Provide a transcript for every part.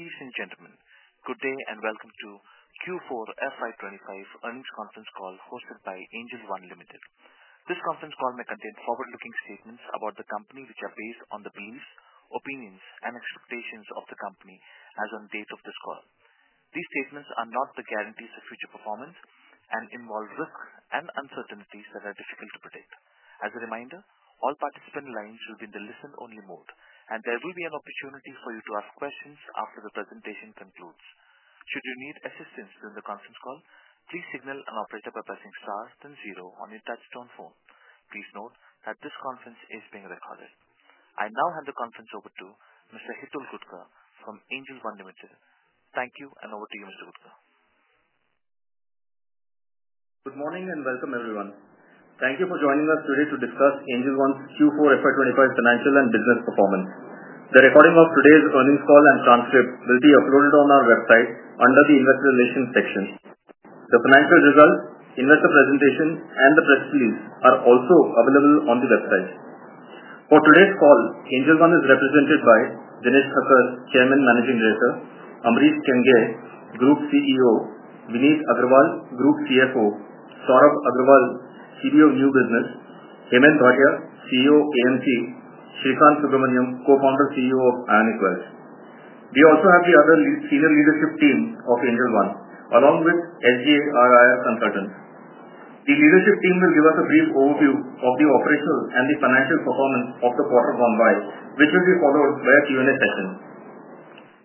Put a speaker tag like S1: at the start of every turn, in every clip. S1: Ladies and gentlemen, good day and welcome to Q4 FY2025 Earnings Conference Call hosted by Angel One Limited. This conference call may contain forward-looking statements about the company which are based on the beliefs, opinions, and expectations of the company as on the date of this call. These statements are not the guarantees of future performance and involve risks and uncertainties that are difficult to predict. As a reminder, all participant lines will be in the listen-only mode, and there will be an opportunity for you to ask questions after the presentation concludes. Should you need assistance during the conference call, please signal an operator by pressing star, then zero on your touchstone phone. Please note that this conference is being recorded. I now hand the conference over to Mr. Hitul Gutka from Angel One Limited. Thank you, and over to you, Mr. Gutka.
S2: Good morning and welcome, everyone. Thank you for joining us today to discuss Angel One's Q4 FY2025 financial and business performance. The recording of today's earnings call and transcript will be uploaded on our website under the Investor Relations section. The financial results, investor presentation, and the press release are also available on the website. For today's call, Angel One is represented by Dinesh Thakkar, Chairman and Managing Director; Ambarish Kenghe, Group CEO; Vineet Agrawal, Group CFO; Saurabh Agarwal, CBO New Business; Hemen Bhatia, CEO AMC; Srikanth Subramanian, Co-Founder and CEO of Ionic Wealth. We also have the other senior leadership team of Angel One along with SGA, our IR consultants. The leadership team will give us a brief overview of the operational and the financial performance of the quarter gone by, which will be followed by a Q&A session.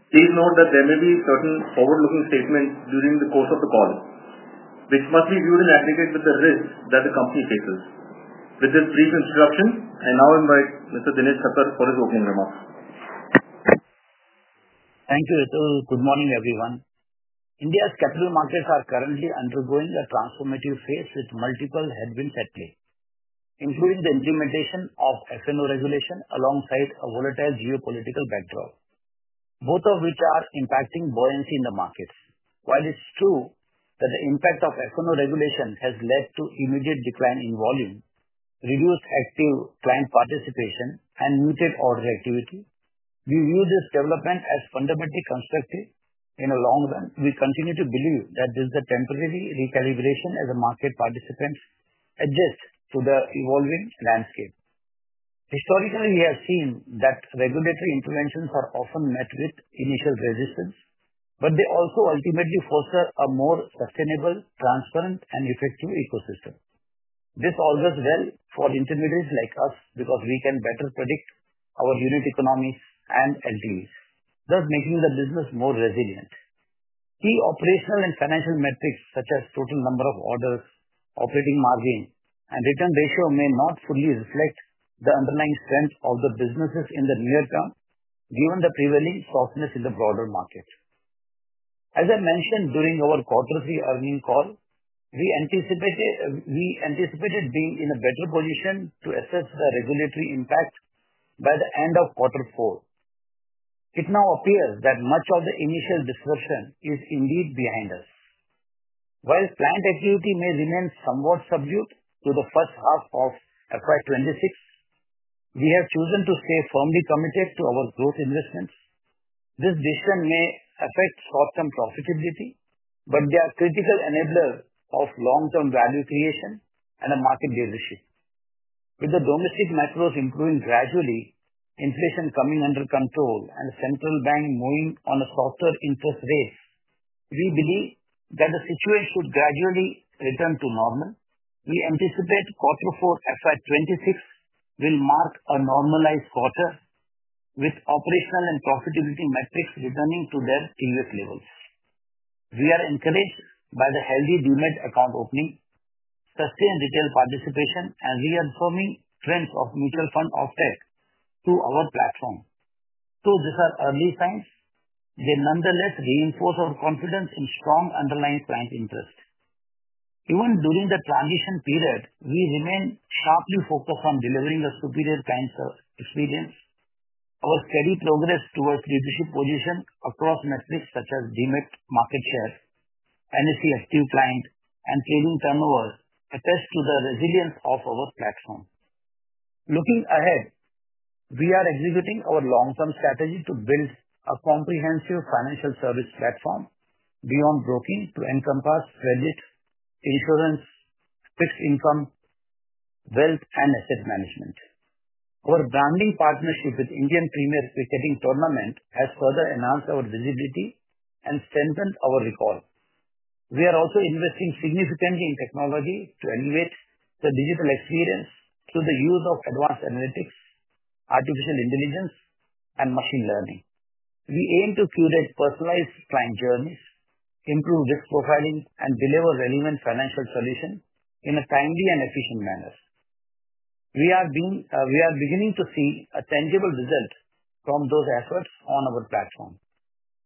S2: Please note that there may be certain forward-looking statements during the course of the call, which must be viewed in aggregate with the risks that the company faces. With this brief introduction, I now invite Mr. Dinesh Thakkar for his opening remarks.
S3: Thank you, Hitul. Good morning, everyone. India's Capital Markets are currently undergoing a transformative phase with multiple headwinds at play, including the implementation of F&O regulation alongside a volatile geopolitical backdrop, both of which are impacting buoyancy in the markets. While it's true that the impact of F&O regulation has led to an immediate decline in volume, reduced active client participation, and muted order activity, we view this development as fundamentally constructive. In the long run, we continue to believe that this is a temporary recalibration as market participants adjust to the evolving landscape. Historically, we have seen that regulatory interventions are often met with initial resistance, but they also ultimately foster a more sustainable, transparent, and effective ecosystem. This augurs well for intermediaries like us because we can better predict our unit economics and LTVs, thus making the business more resilient. Key operational and financial metrics such as total number of orders, operating margin, and return ratio may not fully reflect the underlying strength of the businesses in the near term, given the prevailing softness in the broader market. As I mentioned during our quarterly earnings call, we anticipated being in a better position to assess the regulatory impact by the end of Q4. It now appears that much of the initial disruption is indeed behind us. While client activity may remain somewhat subdued through the first half of FY2026, we have chosen to stay firmly committed to our growth investments. This decision may affect short-term profitability, but they are critical enablers of long-term value creation and market leadership. With the domestic macros improving gradually, inflation coming under control, and the central bank moving on softer interest rates, we believe that the situation should gradually return to normal. We anticipate Q4 FY2026 will mark a normalized quarter, with operational and profitability metrics returning to their previous levels. We are encouraged by the healthy demand account opening, sustained retail participation, and reaffirming trends of Mutual Fund off-take to our platform. Though these are early signs, they nonetheless reinforce our confidence in strong underlying client interest. Even during the transition period, we remain sharply focused on delivering a superior client experience. Our steady progress towards leadership positions across metrics such as demand market share, NSE active client, and trading turnover attest to the resilience of our platform. Looking ahead, we are executing our long-term strategy to build a comprehensive financial service platform beyond broking to encompass credit, insurance, fixed income, wealth, and asset management. Our branding partnership with the Indian Premier Cricketing Tournament has further enhanced our visibility and strengthened our recall. We are also investing significantly in technology to elevate the digital experience through the use of advanced analytics, Artificial Intelligence, and Machine Learning. We aim to curate personalized client journeys, improve risk profiling, and deliver relevant financial solutions in a timely and efficient manner. We are beginning to see tangible results from those efforts on our platform,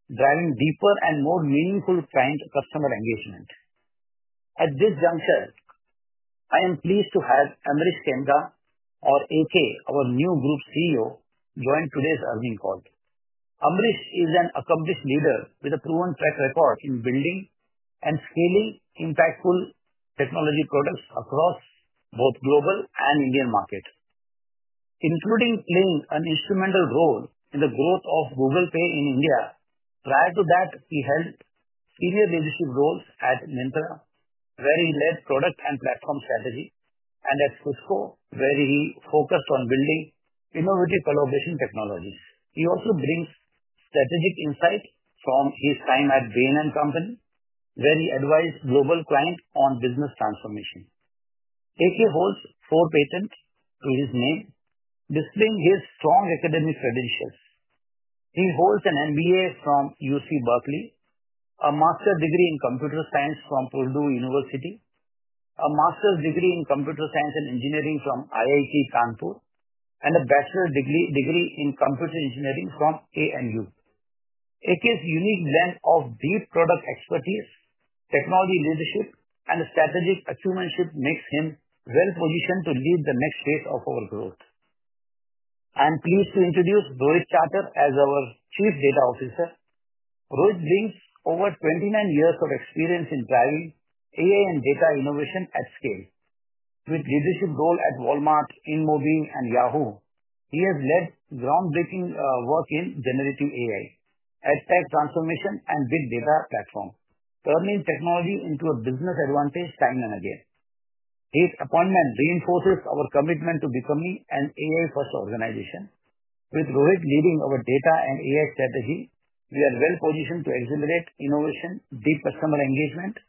S3: driving deeper and more meaningful client-customer engagement. At this juncture, I am pleased to have Ambarish Kenghe or AK, our new Group CEO, join today's earnings call. Amrit is an accomplished leader with a proven track record in building and scaling impactful technology products across both global and Indian markets, including playing an instrumental role in the growth of Google Pay in India. Prior to that, he held senior leadership roles at Myntra, where he led product and platform strategy, and at Cisco, where he focused on building innovative collaboration technologies. He also brings strategic insight from his time at Vineet Agrawal Company, where he advised global clients on business transformation. AK holds four patents to his name, displaying his strong academic credentials. He holds an MBA from UC Berkeley, a master's degree in Computer Science from Purdue University, a Master's Degree in Computer Science and Engineering from IIT Kanpur, and a Bachelor's Degree in Computer Engineering from ANU. AK's unique blend of deep product expertise, technology leadership, and strategic achievementship makes him well-positioned to lead the next phase of our growth. I'm pleased to introduce Rohit Chatter as our Chief Data Officer. Rohit brings over 29 years of experience in driving AI and data innovation at scale. With leadership roles at Walmart, InMobi, and Yahoo! he has led groundbreaking work in generative AI, AdTech transformation, and Big Data platforms, turning technology into a business advantage time and again. His appointment reinforces our commitment to becoming an AI-first organization. With Rohit leading our data and AI strategy, we are well-positioned to accelerate innovation, deep customer engagement,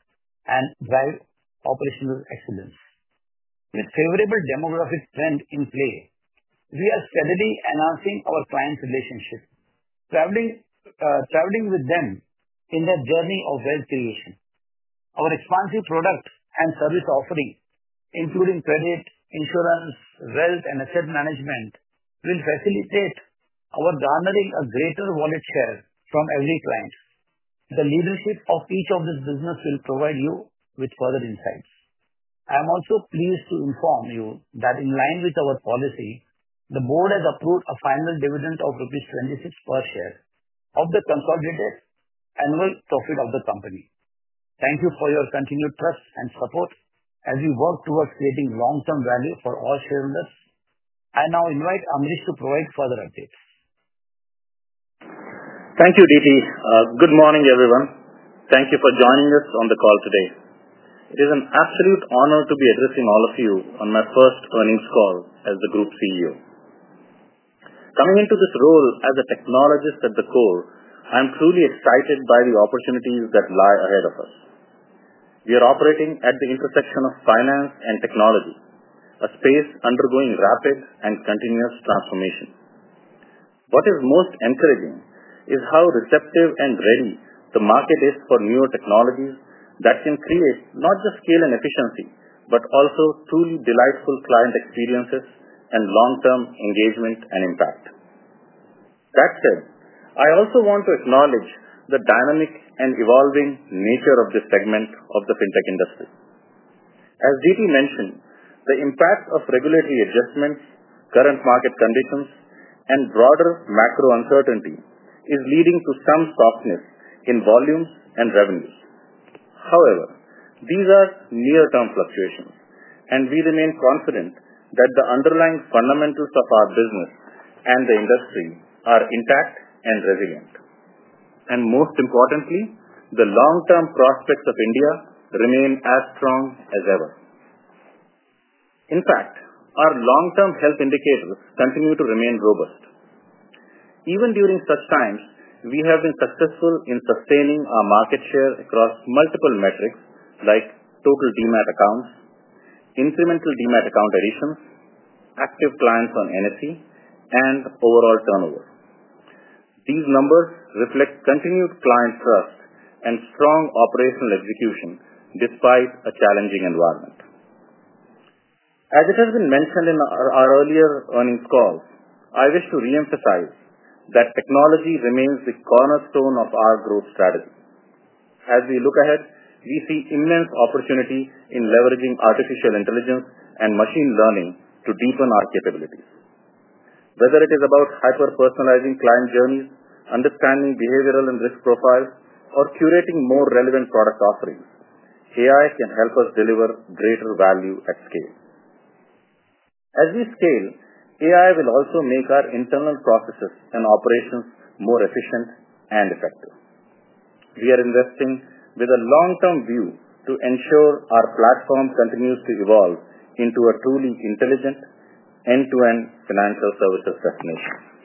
S3: and drive operational excellence. With favorable demographic trends in play, we are steadily enhancing our client relationship, traveling with them in their journey of wealth creation. Our expansive product and service offering, including credit, insurance, wealth, and asset management, will facilitate our garnering a greater wallet share from every client. The leadership of each of these businesses will provide you with further insights. I am also pleased to inform you that in line with our policy, the board has approved a final dividend of rupees 26 per share of the consolidated annual profit of the company. Thank you for your continued trust and support as we work towards creating long-term value for all shareholders. I now invite Ambarish to provide further updates.
S4: Thank you, DT. Good morning, everyone. Thank you for joining us on the call today. It is an absolute honor to be addressing all of you on my first earnings call as the Group CEO. Coming into this role as a technologist at the core, I'm truly excited by the opportunities that lie ahead of us. We are operating at the intersection of finance and technology, a space undergoing rapid and continuous transformation. What is most encouraging is how receptive and ready the market is for newer technologies that can create not just scale and efficiency, but also truly delightful client experiences and long-term engagement and impact. That said, I also want to acknowledge the dynamic and evolving nature of this segment of the FinTech industry. As DT mentioned, the impact of regulatory adjustments, current market conditions, and broader macro uncertainty is leading to some softness in volumes and revenues. However, these are near-term fluctuations, and we remain confident that the underlying fundamentals of our business and the industry are intact and resilient. Most importantly, the long-term prospects of India remain as strong as ever. In fact, our long-term health indicators continue to remain robust. Even during such times, we have been successful in sustaining our market share across multiple metrics like total demat accounts, incremental demat account additions, active clients on NSE, and overall turnover. These numbers reflect continued client trust and strong operational execution despite a challenging environment. As it has been mentioned in our earlier earnings calls, I wish to reemphasize that technology remains the cornerstone of our growth strategy. As we look ahead, we see immense opportunity in leveraging Artificial Intelligence and Machine Learning to deepen our capabilities. Whether it is about hyper-personalizing client journeys, understanding behavioral and risk profiles, or curating more relevant product offerings, AI can help us deliver greater value at scale. As we scale, AI will also make our internal processes and operations more efficient and effective. We are investing with a long-term view to ensure our platform continues to evolve into a truly intelligent end-to-end financial services destination.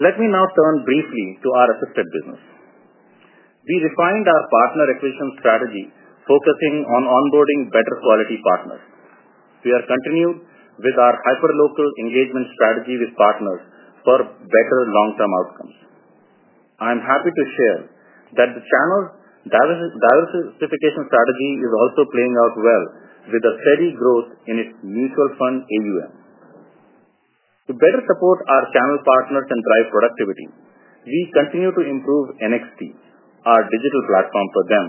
S4: Let me now turn briefly to our assisted business. We refined our partner acquisition strategy, focusing on onboarding better quality partners. We are continuing with our hyper-local engagement strategy with partners for better long-term outcomes. I'm happy to share that the channel diversification strategy is also playing out well with a steady growth in its Mutual Fund, AUM. To better support our channel partners and drive productivity, we continue to improve NXT, our digital platform for them,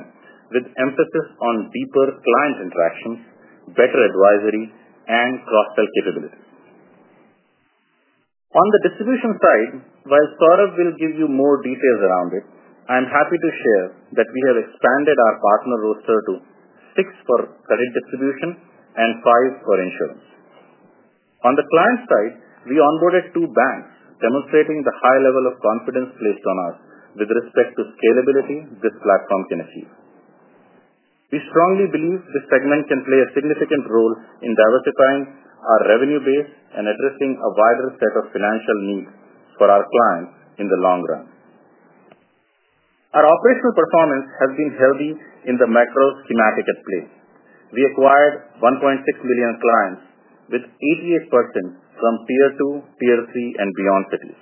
S4: with emphasis on deeper client interactions, better advisory, and cross-sell capabilities. On the distribution side, while Saurabh will give you more details around it, I'm happy to share that we have expanded our partner roster to six for credit distribution and five for insurance. On the client side, we onboarded two banks, demonstrating the high level of confidence placed on us with respect to scalability this platform can achieve. We strongly believe this segment can play a significant role in diversifying our revenue base and addressing a wider set of financial needs for our clients in the long run. Our operational performance has been healthy in the macro schematic at play. We acquired 1.6 million clients, with 88% from Tier 2, Tier 3, and beyond cities.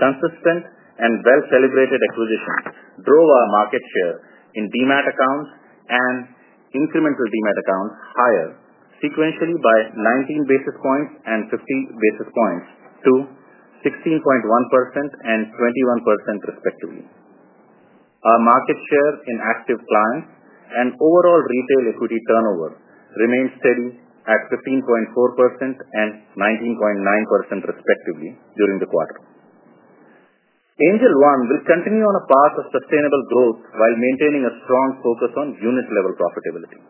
S4: Consistent and well-celebrated acquisitions drove our market share in demat accounts and incremental demat accounts higher, sequentially by 19 basis points and 50 basis points to 16.1% and 21%, respectively. Our market share in active clients and overall retail equity turnover remained steady at 15.4% and 19.9%, respectively, during the quarter. Angel One will continue on a path of sustainable growth while maintaining a strong focus on unit-level profitability.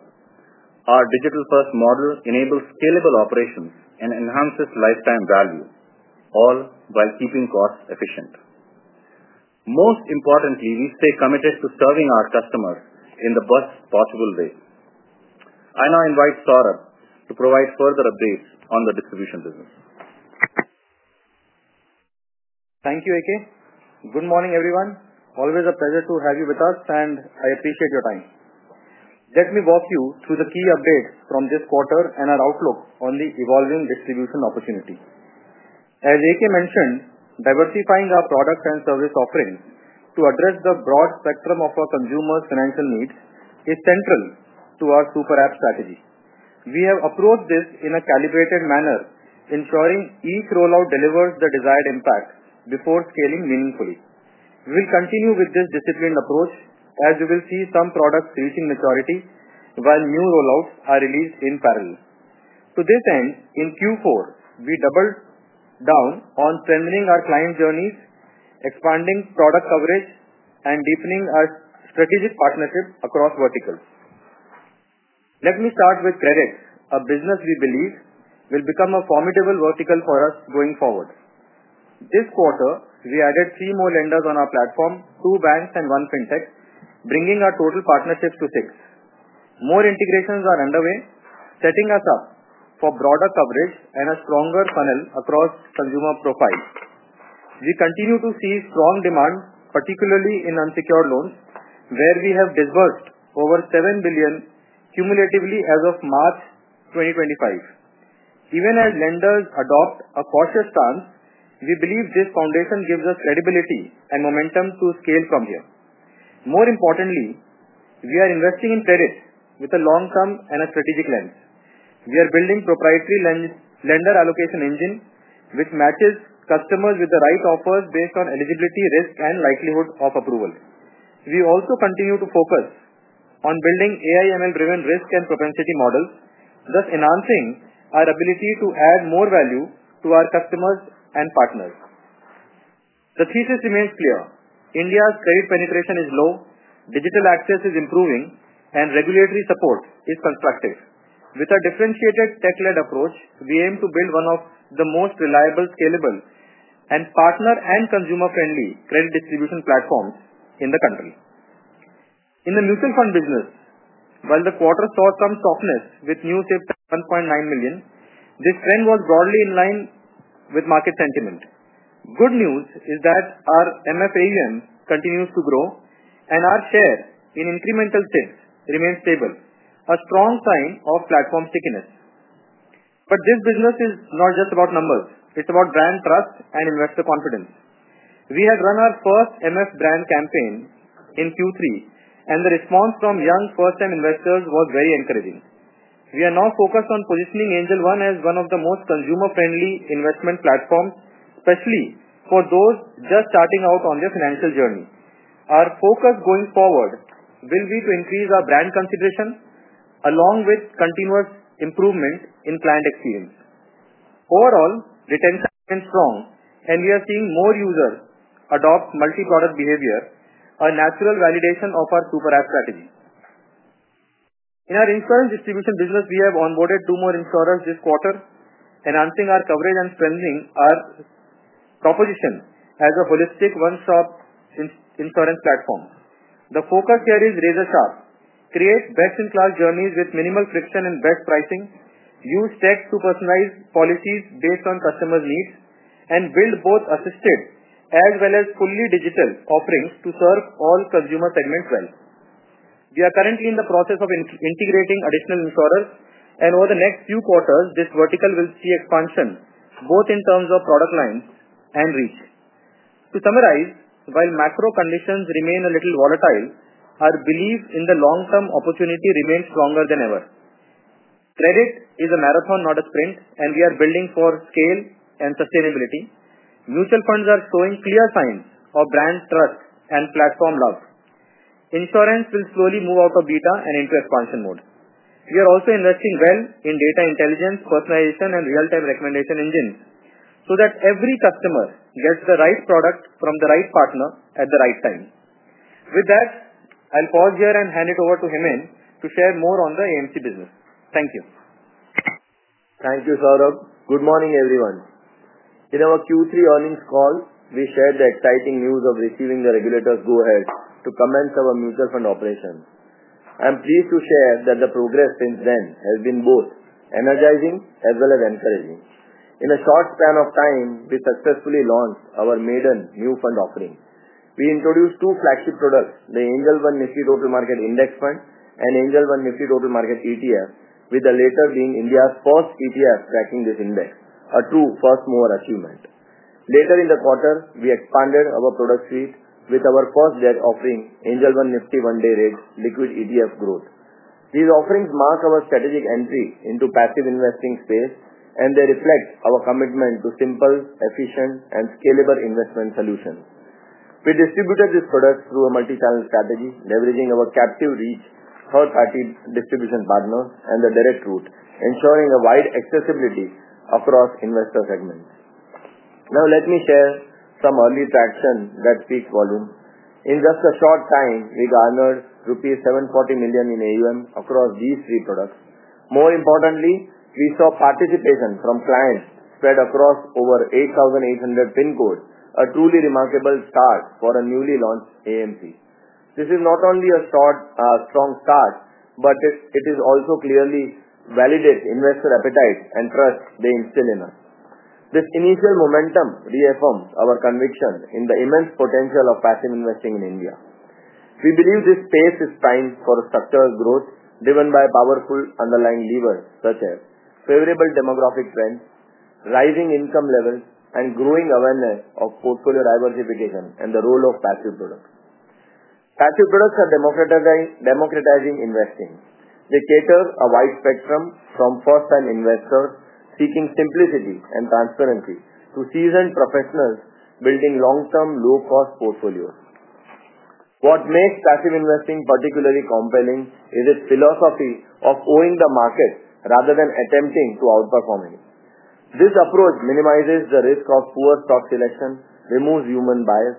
S4: Our digital-first model enables scalable operations and enhances Lifetime Value, all while keeping costs efficient. Most importantly, we stay committed to serving our customers in the best possible way. I now invite Saurabh to provide further updates on the distribution business.
S5: Thank you, AK. Good morning, everyone. Always a pleasure to have you with us, and I appreciate your time. Let me walk you through the key updates from this quarter and our outlook on the evolving distribution opportunity. As AK mentioned, diversifying our products and service offerings to address the broad spectrum of our consumers' financial needs is central to our super app strategy. We have approached this in a calibrated manner, ensuring each rollout delivers the desired impact before scaling meaningfully. We will continue with this disciplined approach, as you will see some products reaching maturity while new rollouts are released in parallel. To this end, in Q4, we doubled down on strengthening our client journeys, expanding product coverage, and deepening our strategic partnership across verticals. Let me start with credit, a business we believe will become a formidable vertical for us going forward. This quarter, we added three more lenders on our platform, two banks and one fintech, bringing our total partnership to six. More integrations are underway, setting us up for broader coverage and a stronger funnel across consumer profiles. We continue to see strong demand, particularly in unsecured loans, where we have disbursed over 7 billion cumulatively as of March 2025. Even as lenders adopt a cautious stance, we believe this foundation gives us credibility and momentum to scale from here. More importantly, we are investing in credit with a long-term and a strategic lens. We are building a proprietary lender allocation engine which matches customers with the right offers based on eligibility, risk, and likelihood of approval. We also continue to focus on building AI/ML-driven risk and propensity models, thus enhancing our ability to add more value to our customers and partners. The thesis remains clear. India's credit penetration is low, digital access is improving, and regulatory support is constructive. With a differentiated tech-led approach, we aim to build one of the most reliable, scalable, and partner- and consumer-friendly credit distribution platforms in the country. In the Mutual Fund business, while the quarter saw some softness with new SIPs at 1.9 million, this trend was broadly in line with market sentiment. The good news is that our MF AUM continues to grow, and our share in incremental SIPs remains stable, a strong sign of platform stickiness. This business is not just about numbers. It is about brand trust and investor confidence. We had run our first MF brand campaign in Q3, and the response from young first-time investors was very encouraging. We are now focused on positioning Angel One as one of the most consumer-friendly investment platforms, especially for those just starting out on their financial journey. Our focus going forward will be to increase our brand consideration along with continuous improvement in client experience. Overall, retention has been strong, and we are seeing more users adopt multi-product behavior, a natural validation of our super app strategy. In our insurance distribution business, we have onboarded two more insurers this quarter, enhancing our coverage and strengthening our proposition as a holistic one-stop insurance platform. The focus here is razor-sharp. Create best-in-class journeys with minimal friction and best pricing. Use tech to personalize policies based on customers' needs and build both assisted as well as fully digital offerings to serve all consumer segments well. We are currently in the process of integrating additional insurers, and over the next few quarters, this vertical will see expansion both in terms of product lines and reach. To summarize, while macro conditions remain a little volatile, our belief in the long-term opportunity remains stronger than ever. Credit is a marathon, not a sprint, and we are building for scale and sustainability. Mutual Funds are showing clear signs of brand trust and platform love. Insurance will slowly move out of beta and into expansion mode. We are also investing well in data intelligence, personalization, and real-time recommendation engines so that every customer gets the right product from the right partner at the right time. With that, I'll pause here and hand it over to Hemen to share more on the AMC business.
S6: Thank you. Thank you, Saurabh. Good morning, everyone. In our Q3 earnings call, we shared the exciting news of receiving the regulator's go-ahead to commence our Mutual Fund operations. I'm pleased to share that the progress since then has been both energizing as well as encouraging. In a short span of time, we successfully launched our maiden New Fund Offering. We introduced two flagship products, the Angel One Nifty Total Market Index Fund and Angel One Nifty Total Market ETF, with the latter being India's first ETF tracking this index, a true first-mover achievement. Later in the quarter, we expanded our product suite with our first-ever offering, Angel One Nifty One Day Rate Liquid ETF Growth. These offerings mark our strategic entry into the passive investing space, and they reflect our commitment to simple, efficient, and scalable investment solutions. We distributed these products through a multi-channel strategy, leveraging our captive reach for our distribution partners and the direct route, ensuring a wide accessibility across investor segments. Now, let me share some early traction that peaked volume. In just a short time, we garnered rupees 740 million in AUM across these three products. More importantly, we saw participation from clients spread across over 8,800 PIN codes, a truly remarkable start for a newly launched AMC. This is not only a strong start, but it is also clearly validating investor appetite and trust they instill in us. This initial momentum reaffirms our conviction in the immense potential of passive investing in India. We believe this space is primed for structural growth driven by powerful underlying levers such as favorable demographic trends, rising income levels, and growing awareness of portfolio diversification and the role of passive products. Passive products are democratizing investing. They cater a wide spectrum from first-time investors seeking simplicity and transparency to seasoned professionals building long-term low-cost portfolios. What makes passive investing particularly compelling is its philosophy of owing the market rather than attempting to outperform it. This approach minimizes the risk of poor stock selection, removes human bias,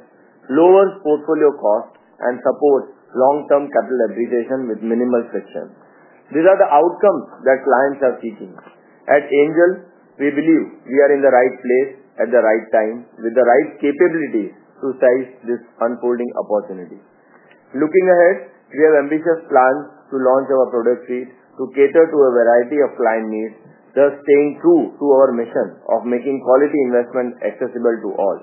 S6: lowers portfolio costs, and supports long-term capital appreciation with minimal friction. These are the outcomes that clients are seeking. At Angel, we believe we are in the right place at the right time with the right capabilities to seize this unfolding opportunity. Looking ahead, we have ambitious plans to launch our product suite to cater to a variety of client needs, thus staying true to our mission of making quality investment accessible to all.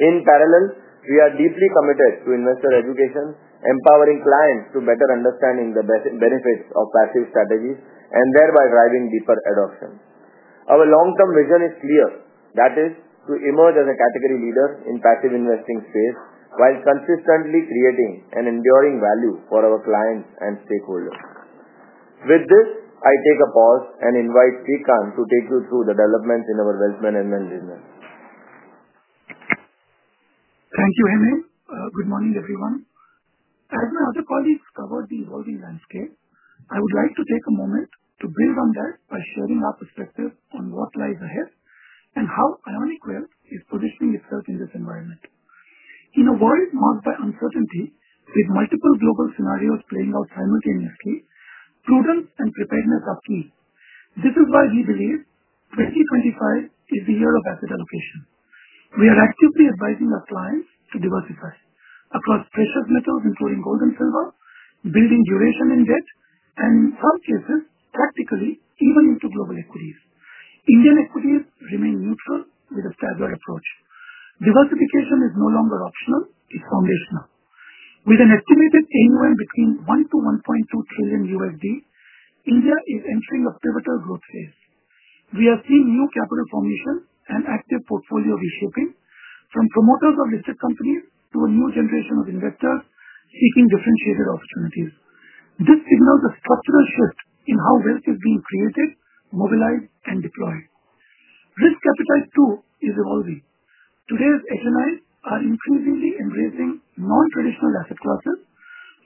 S6: In parallel, we are deeply committed to investor education, empowering clients to better understand the benefits of passive strategies and thereby driving deeper adoption. Our long-term vision is clear, that is, to emerge as a category leader in the passive investing space while consistently creating and enduring value for our clients and stakeholders. With this, I take a pause and invite Srikanth to take you through the developments in our Wealth Management business.
S7: Thank you, Hemen. Good morning, everyone. As my other colleagues covered the evolving landscape, I would like to take a moment to build on that by sharing our perspective on what lies ahead and how Ionic Wealth is positioning itself in this environment. In a world marked by uncertainty, with multiple global scenarios playing out simultaneously, prudence and preparedness are key. This is why we believe 2025 is the year of asset allocation. We are actively advising our clients to diversify across precious metals, including gold and silver, building duration in debt, and in some cases, practically even into global equities. Indian equities remain neutral with a staggered approach. Diversification is no longer optional; it is foundational. With an estimated AUM between $1 trillion-$1.2 trillion, India is entering a pivotal growth phase. We are seeing new capital formation and active portfolio reshaping, from promoters of listed companies to a new generation of investors seeking differentiated opportunities. This signals a structural shift in how wealth is being created, mobilized, and deployed. Risk appetite, too, is evolving. Today's HNIs are increasingly embracing non-traditional asset classes,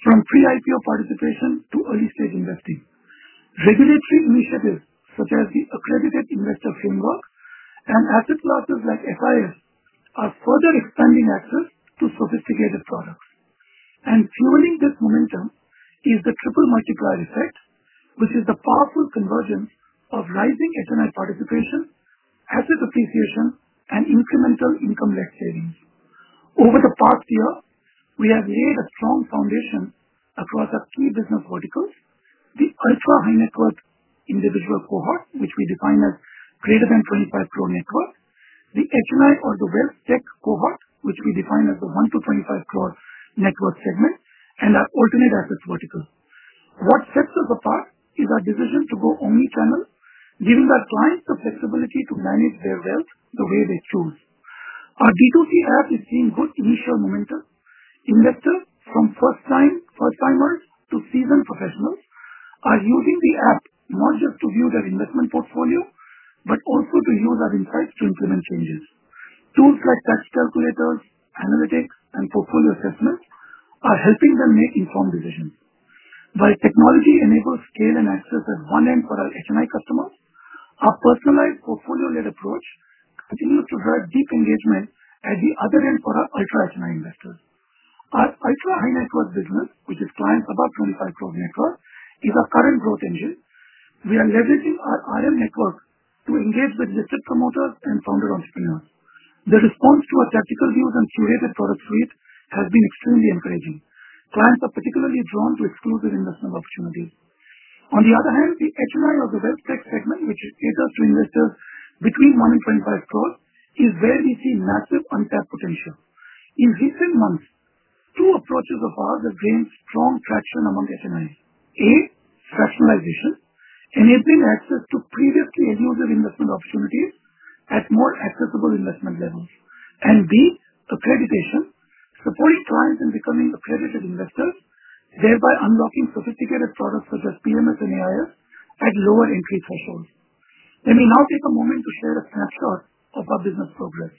S7: from pre-IPO participation to early-stage investing. Regulatory initiatives such as the Accredited Investor Framework and asset classes like AIF are further expanding access to sophisticated products. Fueling this momentum is the triple multiplier effect, which is the powerful convergence of rising HMI participation, asset appreciation, and incremental income-led savings. Over the past year, we have laid a strong foundation across our key business verticals: the Ultra High Net Worth Individual Cohort, which we define as greater than 25 crores net worth; the HMI or the Wealth Tech Cohort, which we define as the 1-25 crores net worth segment; and our Alternate Asset verticals. What sets us apart is our decision to go omnichannel, giving our clients the flexibility to manage their wealth the way they choose. Our D2C app is seeing good initial momentum. Investors, from first-timers to seasoned professionals, are using the app not just to view their investment portfolio but also to use our insights to implement changes. Tools like tax calculators, analytics, and portfolio assessments are helping them make informed decisions. While technology enables scale and access at one end for our HNI customers, our personalized portfolio-led approach continues to drive deep engagement at the other end for our Ultra HNI investors. Our Ultra High Net Worth business, which is clients above 25 crores net worth, is our current growth engine. We are leveraging our RM network to engage with listed promoters and founder entrepreneurs. The response to our tactical views and curated product suite has been extremely encouraging. Clients are particularly drawn to exclusive investment opportunities. On the other hand, the HNI or the Wealth Tech segment, which caters to investors between 1 crores and 25 crores, is where we see massive untapped potential. In recent months, two approaches of ours have gained strong traction among HMIs: A, Fractionalization, enabling access to previously elusive investment opportunities at more accessible investment levels; and B, Accreditation, supporting clients in becoming accredited investors, thereby unlocking sophisticated products such as PMS and AIF at lower entry thresholds. Let me now take a moment to share a snapshot of our business progress.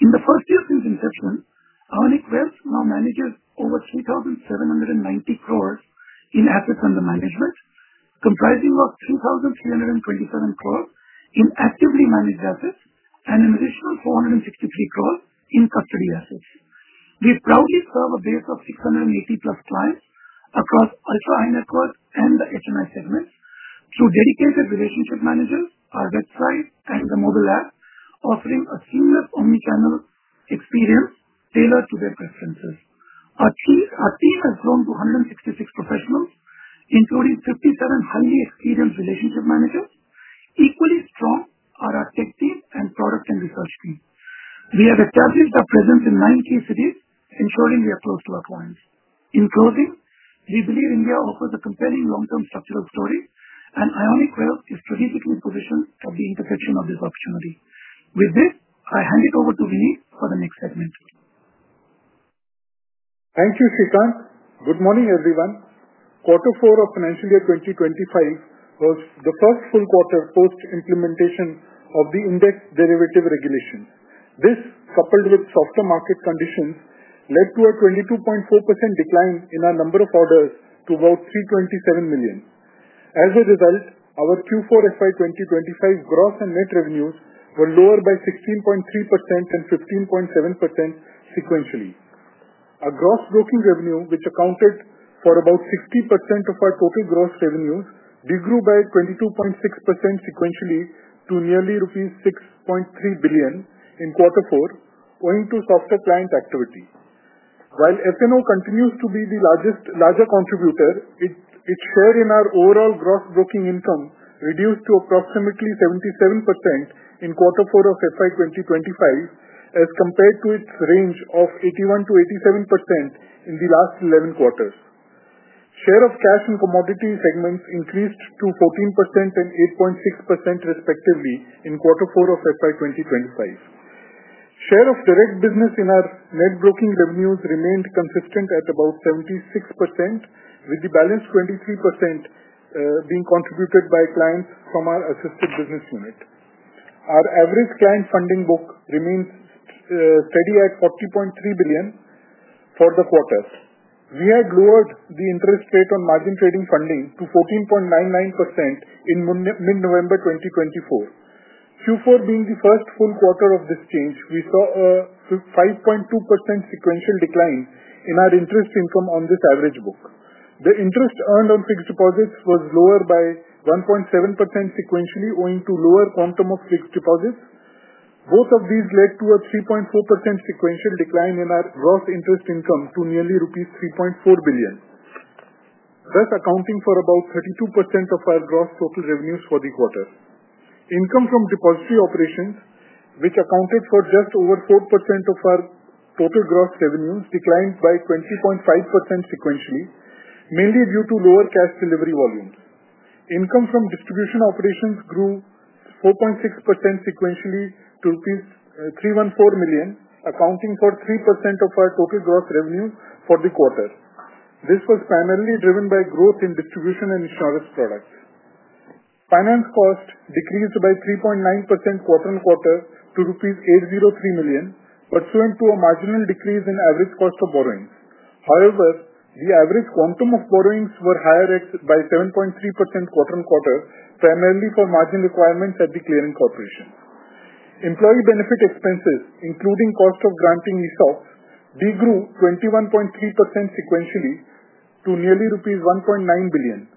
S7: In the first year since inception, Ionic Wealth now manages over 3,790 crores in Assets Under Management, comprising of 3,327 crores in actively managed assets and an additional 463 crores in custody assets. We proudly serve a base of 680-plus clients across Ultra High Net Worth and the HNI segments through dedicated relationship managers, our website, and the mobile app, offering a seamless omnichannel experience tailored to their preferences. Our team has grown to 166 professionals, including 57 highly experienced relationship managers. Equally strong are our tech team and product and research team. We have established our presence in nine key cities, ensuring we are close to our clients. In closing, we believe India offers a compelling long-term structural story, and Ionic Wealth is strategically positioned at the intersection of this opportunity. With this, I hand it over to Vineet for the next segment.
S8: Thank you, Srikanth. Good morning, everyone. Q4 of Financial Year 2025 was the first full quarter post-implementation of the index derivative regulation. This, coupled with softer market conditions, led to a 22.4% decline in our number of orders to about 327 million. As a result, our Q4 FY 2025 gross and net revenues were lower by 16.3% and 15.7% sequentially. Our gross broking revenue, which accounted for about 60% of our total gross revenues, did grow by 22.6% sequentially to nearly rupees 6.3 billion in Q4, owing to softer client activity. While F&O continues to be the larger contributor, its share in our overall gross broking income reduced to approximately 77% in Q4 of FY 2025 as compared to its range of 81%-87% in the last 11 quarters. Share of cash and commodity segments increased to 14% and 8.6% respectively in Q4 of FY 2025. Share of direct business in our net broking revenues remained consistent at about 76%, with the balance 23% being contributed by clients from our assisted business unit. Our average client funding book remains steady at 40.3 billion for the quarter. We had lowered the interest rate on Margin Trading Funding to 14.99% in mid-November 2024. Q4 being the first full quarter of this change, we saw a 5.2% sequential decline in our interest income on this average book. The interest earned on Fixed Deposits was lower by 1.7% sequentially, owing to lower quantum of Fixed Deposits. Both of these led to a 3.4% sequential decline in our gross interest income to nearly rupees 3.4 billion, thus accounting for about 32% of our gross total revenues for the quarter. Income from depository operations, which accounted for just over 4% of our total gross revenues, declined by 20.5% sequentially, mainly due to lower cash delivery volumes. Income from distribution operations grew 4.6% sequentially to rupees 314 million, accounting for 3% of our total gross revenue for the quarter. This was primarily driven by growth in distribution and insurance products. Finance cost decreased by 3.9% quarter-on-quarter to INR 803 million, pursuant to a marginal decrease in average cost of borrowings. However, the average quantum of borrowings were higher by 7.3% quarter-on-quarter, primarily for margin requirements at the Clearing Corporation. Employee benefit expenses, including cost of granting ESOPs, did grow 21.3% sequentially to nearly rupees 1.9 billion.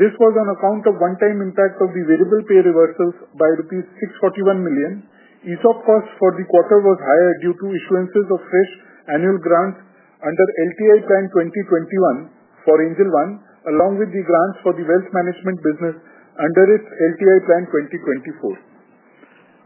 S8: This was on account of one-time impact of the variable pay reversals by rupees 641 million. ESOP cost for the quarter was higher due to issuances of fresh annual grants under LTI Plan 2021 for Angel One, along with the grants for the Wealth Management business under its LTI Plan 2024.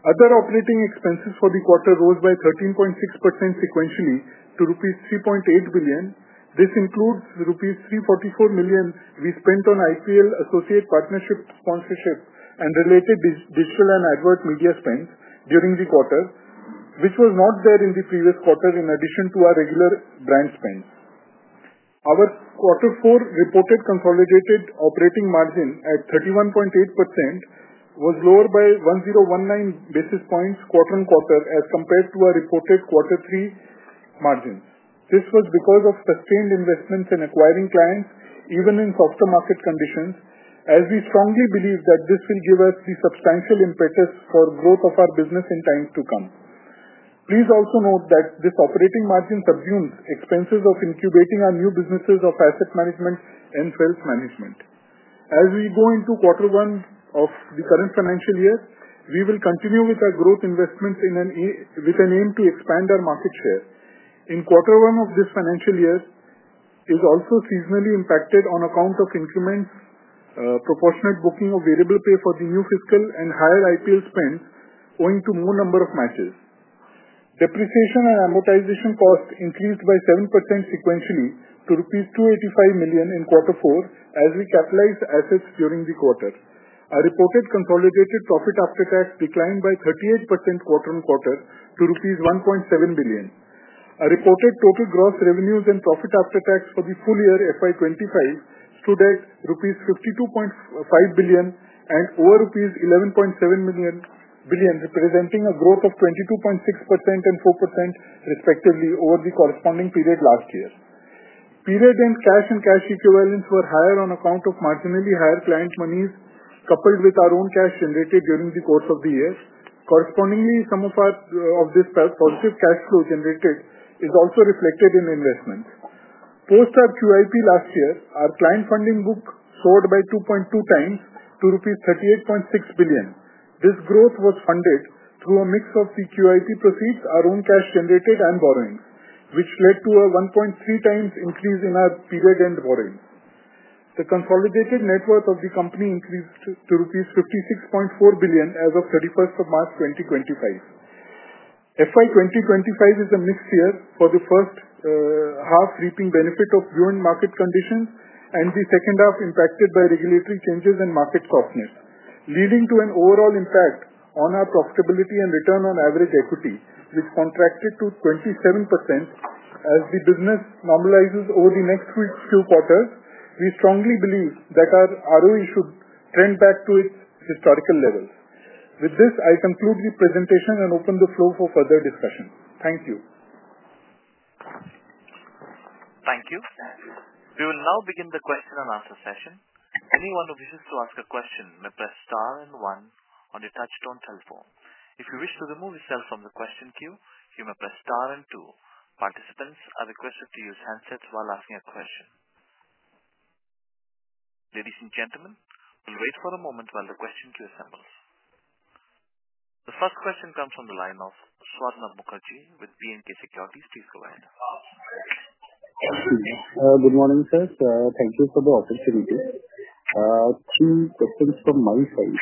S8: Other operating expenses for the quarter rose by 13.6% sequentially to rupees 3.8 billion. This includes rupees 344 million we spent on IPL Associate Partnership sponsorship and related digital and advert media spends during the quarter, which was not there in the previous quarter in addition to our regular brand spends. Our Q4 reported consolidated operating margin at 31.8% was lower by 1,019 basis points quarter-on-quarter as compared to our reported Q3 margins. This was because of sustained investments and acquiring clients even in softer market conditions, as we strongly believe that this will give us the substantial impetus for growth of our business in time to come. Please also note that this operating margin subsumes expenses of incubating our new businesses of asset management and Wealth Management. As we go into Q1 of the current financial year, we will continue with our growth investments with an aim to expand our market share. Q1 of this financial year is also seasonally impacted on account of increments, proportionate booking of variable pay for the new fiscal, and higher IPL spend owing to more number of matches. Depreciation and amortization cost increased by 7% sequentially to rupees 285 million in Q4 as we capitalized assets during the quarter. Our reported consolidated Profit After Tax declined by 38% quarter-on-quarter to rupees 1.7 billion. Our reported total gross revenues and Profit After Tax for the full year FY 2025 stood at INR 52.5 billion and over INR 11.7 billion, representing a growth of 22.6% and 4% respectively over the corresponding period last year. Period-end cash and cash equivalents were higher on account of marginally higher client monies coupled with our own cash generated during the course of the year. Correspondingly, some of this positive cash flow generated is also reflected in investments. Post our QIP last year, our client funding book soared by 2.2 times to rupees 38.6 billion. This growth was funded through a mix of the QIP proceeds, our own cash generated, and borrowings, which led to a 1.3 times increase in our period-end borrowings. The consolidated net worth of the company increased to 56.4 billion rupees as of 31 March 2025. FY 2025 is a mixed year for the first half reaping benefit of view and market conditions and the second half impacted by regulatory changes and market softness, leading to an overall impact on our profitability and Return on Average Equity, which contracted to 27% as the business normalizes over the next few quarters. We strongly believe that our ROAE should trend back to its historical levels. With this, I conclude the presentation and open the floor for further discussion. Thank you.
S1: Thank you. We will now begin the question and answer session. Anyone who wishes to ask a question may press star and one on the touchstone telephone. If you wish to remove yourself from the question queue, you may press star and two. Participants are requested to use handsets while asking a question. Ladies and gentlemen, we'll wait for a moment while the question queue assembles. The first question comes from the line of Swarnabha Mukherjee with B&K Securities. Please go ahead.
S9: Good morning, sir. Thank you for the opportunity. Two questions from my side.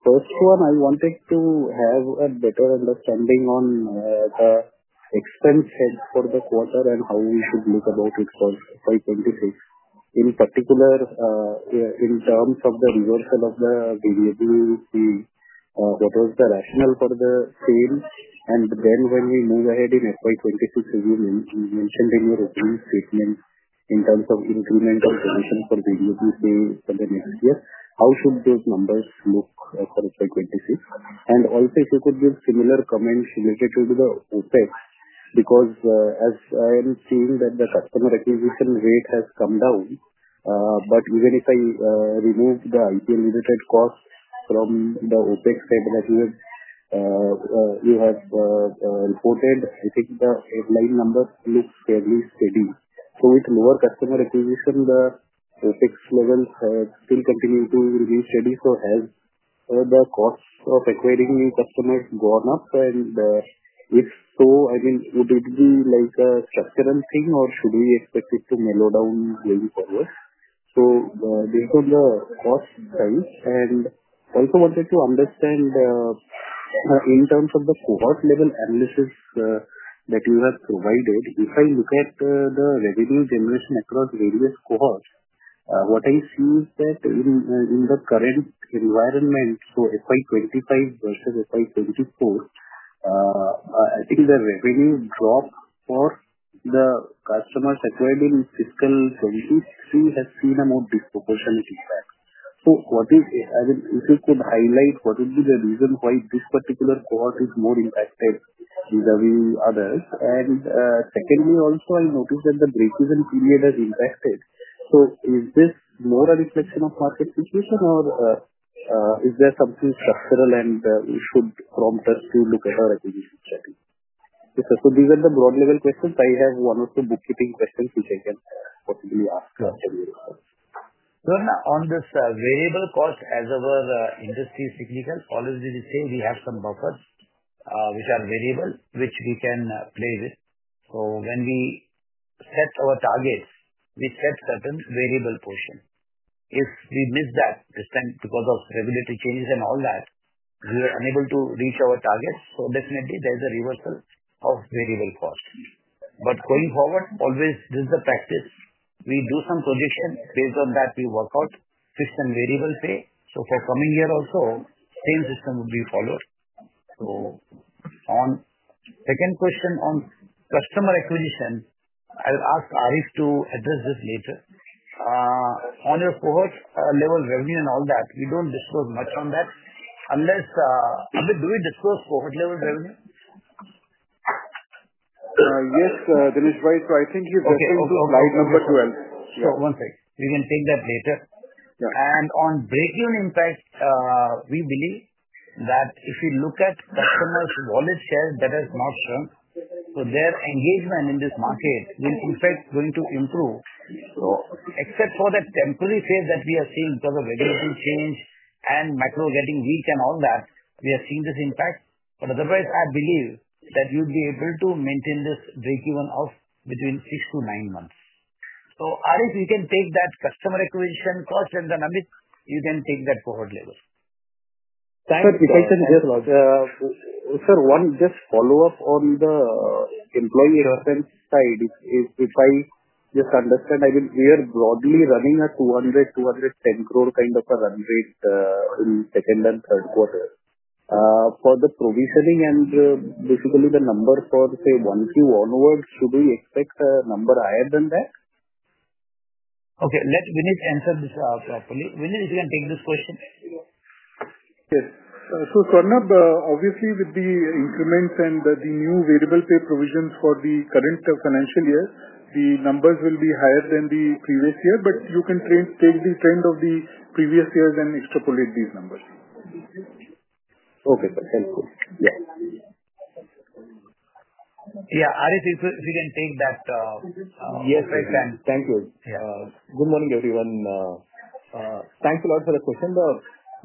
S9: First one, I wanted to have a better understanding on the expense head for the quarter and how we should look about it for FY2026. In particular, in terms of the reversal of the variable fee, what was the rationale for the same? When we move ahead in FY2026, as you mentioned in your opening statement, in terms of incremental provision for variable fee for the next year, how should those numbers look for FY2026? Also, if you could give similar comments related to the OpEx, because as I am seeing that the customer acquisition rate has come down, but even if I remove the IPL-related cost from the OpEx head that you have reported, I think the headline number looks fairly steady. With lower customer acquisition, the OpEx levels still continue to remain steady. Has the Cost of Acquiring new customers gone up? If so, would it be a structural thing, or should we expect it to mellow down going forward? Based on the cost side, I also wanted to understand in terms of the cohort-level analysis that you have provided. If I look at the revenue generation across various cohorts, what I see is that in the current environment, FY2025 versus FY2024, the revenue drop for the customers acquired in fiscal 2023 has seen a more disproportionate impact. What is, if you could highlight, the reason why this particular cohort is more impacted than the others? Secondly, I also noticed that the break-even period has impacted. Is this more a reflection of market situation, or is there something structural and should prompt us to look at our acquisition strategy? These are the broad-level questions. I have one or two bookkeeping questions which I can possibly ask after your response.
S3: So Swarnabha, on this variable cost as our industry signal, always we say we have some buffers which are variable, which we can play with. When we set our targets, we set certain variable portion. If we miss that, because of regulatory changes and all that, we are unable to reach our targets. Definitely, there is a reversal of variable cost. Going forward, always, this is the practice. We do some projection. Based on that, we work out fixed and variable pay. For coming year also, same system would be followed. On second question on customer acquisition, I'll ask Arief to address this later. On your cohort-level revenue and all that, we do not disclose much on that unless, Amit, do we disclose cohort-level revenue?
S10: Yes, Dinesh bhai. I think you've gotten to slide number 12.
S3: Okay. One second. You can take that later. On break-even impact, we believe that if you look at customers' wallet share, that has not shrunk. Their engagement in this market will in fact going to improve. Except for that temporary phase that we are seeing because of regulatory change and macro getting weak and all that, we are seeing this impact. Otherwise, I believe that you'd be able to maintain this break-even of between six to nine months. Arief, you can take that Customer Acquisition Cost, and then Amit, you can take that cohort level.
S9: Thank you, sir— If I can just—sir one just follow-up on the employee expense side. If I just understand, I mean, we are broadly running a 200 crores to 210 crores kind of a run rate in second and third quarter. For the provisioning and basically the number for, say, Q1 onward, should we expect a number higher than that?
S3: Okay. Let Vineet answer this properly. Vineet, if you can take this question.
S8: Yes. Swarnabha, obviously, with the increments and the new variable pay provisions for the current financial year, the numbers will be higher than the previous year. You can take the trend of the previous years and extrapolate these numbers.
S9: Okay. That's helpful. Yeah.
S3: Yes, Arief if you can take that.
S11: Yes, I can. Thank you. Good morning, everyone. Thanks a lot for the question.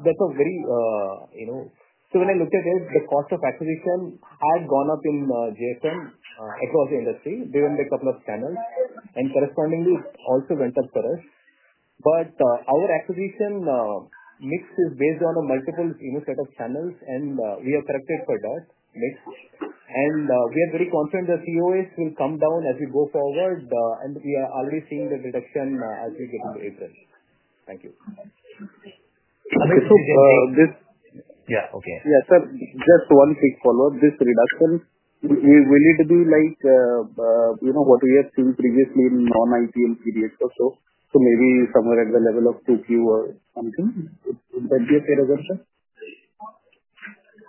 S11: That's a very, so when I looked at it, the Cost of Acquisition had gone up in JSM across the industry during the couple of channels. Correspondingly, it also went up for us. Our acquisition mix is based on a multiple set of channels, and we have corrected for that mix. We are very confident the COAs will come down as we go forward. We are already seeing the reduction as we get into April. Thank you.
S9: Yeah, sir, just one quick follow-up. This reduction, will it be like what we have seen previously in non-IPL periods or so? Maybe somewhere at the level of Q2 or something? Would that be a fair assumption?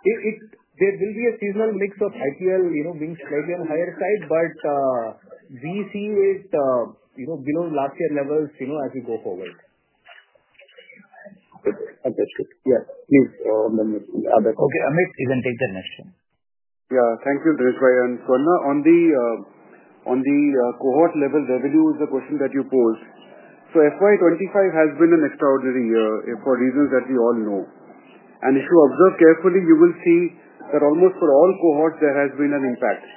S11: There will be a seasonal mix of IPL being slightly on the higher side, but we see it below last year levels as we go forward.
S9: Understood.
S3: Okay. Amit, you can take the next one.
S10: Yeah. Thank you, Dinesh bhai. Swarnabha, on the cohort-level revenue is the question that you posed. FY2025 has been an extraordinary year for reasons that we all know. If you observe carefully, you will see that almost for all cohorts, there has been an impact.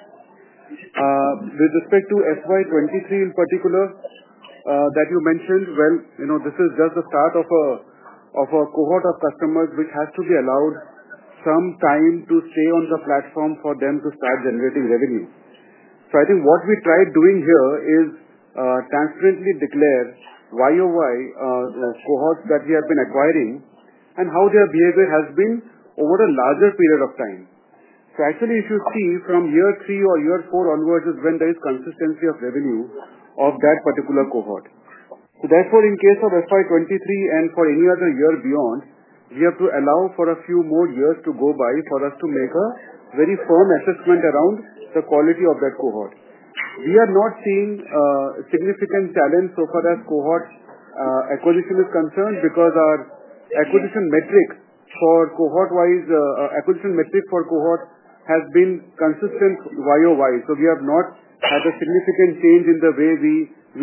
S10: With respect to FY2023 in particular that you mentioned, this is just the start of a cohort of customers which has to be allowed some time to stay on the platform for them to start generating revenue. I think what we tried doing here is transparently declare year-over-year cohorts that we have been acquiring and how their behavior has been over a larger period of time. Actually, if you see from year three or year four onwards is when there is consistency of revenue of that particular cohort. Therefore, in case of FY2023 and for any other year beyond, we have to allow for a few more years to go by for us to make a very firm assessment around the quality of that cohort. We are not seeing significant challenge so far as cohort acquisition is concerned because our acquisition metrics for cohort-wise acquisition metrics for cohort has been consistent year over year. We have not had a significant change in the way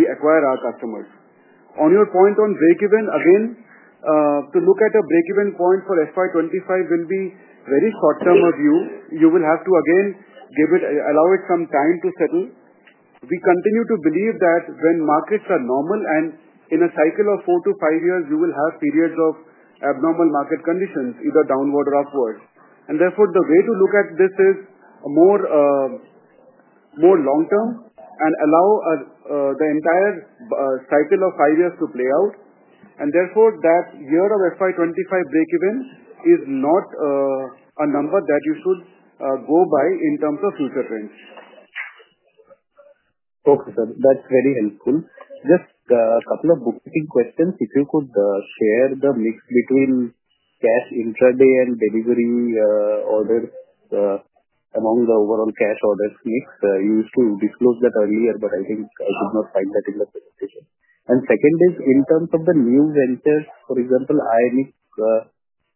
S10: we acquire our customers. On your point on break-even, again, to look at a break-even point for FY2025 will be very short-term of you. You will have to, again, allow it some time to settle. We continue to believe that when markets are normal and in a cycle of four to five years, you will have periods of abnormal market conditions, either downward or upward. Therefore, the way to look at this is more long-term and allow the entire cycle of five years to play out. Therefore, that year of FY2025 break-even is not a number that you should go by in terms of future trends.
S9: Okay, sir. That is very helpful. Just a couple of bookkeeping questions. If you could share the mix between cash intraday and delivery orders among the overall cash orders mix. You used to disclose that earlier, but I think I did not find that in the presentation. Second is, in terms of the new ventures, for example, Ionic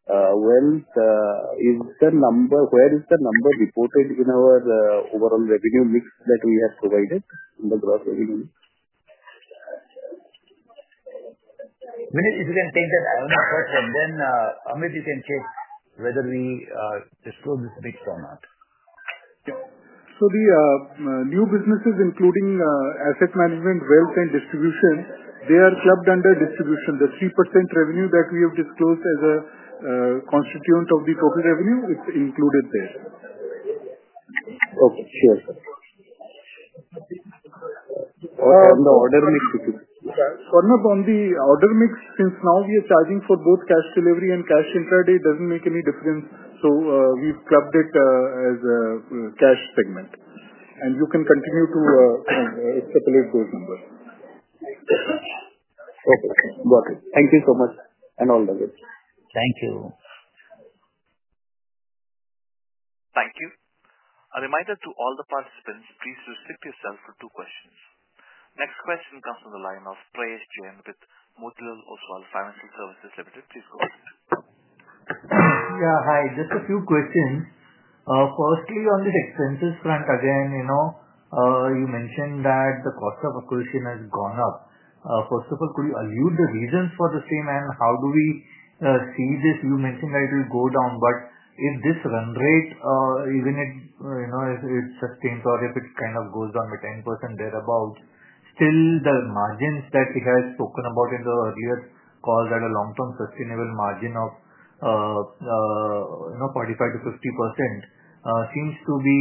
S9: Wealth, where is the number reported in our overall revenue mix that we have provided in the gross revenue mix?
S3: Vineet, if you can take that Ionic Wealth, and then Amit, you can check whether we disclose this mix or not.
S10: Yeah.
S8: The new businesses, including asset management, wealth, and distribution, are clubbed under distribution. The 3% revenue that we have disclosed as a constituent of the total revenue, it's included there.
S9: Okay. Sure. On the order mix if you can.
S8: Swarnabha, on the order mix, since now we are charging for both cash delivery and cash intraday, it does not make any difference. We have clubbed it as a cash segment. You can continue to extrapolate those numbers.
S9: Okay. Got it. Thank you so much and all the best.
S3: Thank you.
S1: Thank you. A reminder to all the participants, please restrict yourself to two questions. Next question comes from the line of Prayesh Jain with Motilal Oswal Financial Services Limited. Please go ahead.
S12: Yeah. Hi. Just a few questions. Firstly, on the expenses front, again, you mentioned that the Cost of Acquisition has gone up. First of all, could you allude the reasons for the same and how do we see this? You mentioned that it will go down, but if this run rate, even if it sustains or if it kind of goes down by 10% thereabouts, still the margins that we have spoken about in the earlier call, that a long-term sustainable margin of 45%-50% seems to be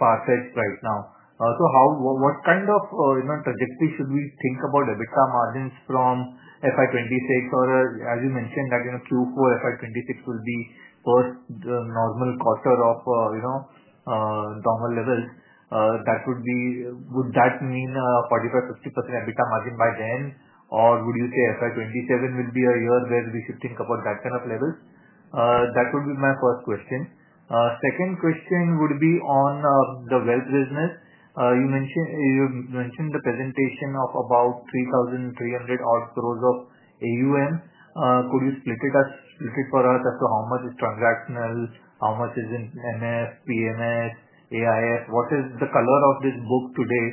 S12: far-fetched right now. So what kind of trajectory should we think about EBITDA margins from FY2026? Or as you mentioned that Q4 FY2026 will be first normal quarter of normal levels. That would be would that mean a 45%-50% EBITDA margin by then? Would you say FY2027 will be a year where we should think about that kind of levels? That would be my first question. Second question would be on the Wealth business. You mentioned the presentation of about 3,300 million outgrowth of AUM. Could you split it for us as to how much is transactional? How much is in MF, PMS, AIF? What is the color of this book today?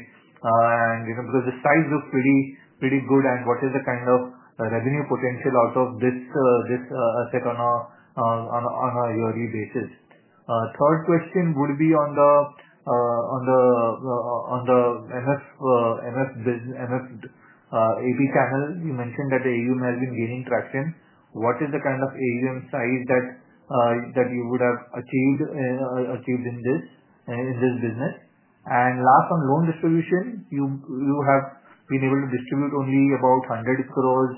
S12: Because the size looks pretty good, what is the kind of revenue potential out of this asset on a yearly basis? Third question would be on the MF AP channel. You mentioned that the AUM has been gaining traction. What is the kind of AUM size that you would have achieved in this business? Last, on loan distribution, you have been able to distribute only about 100 crores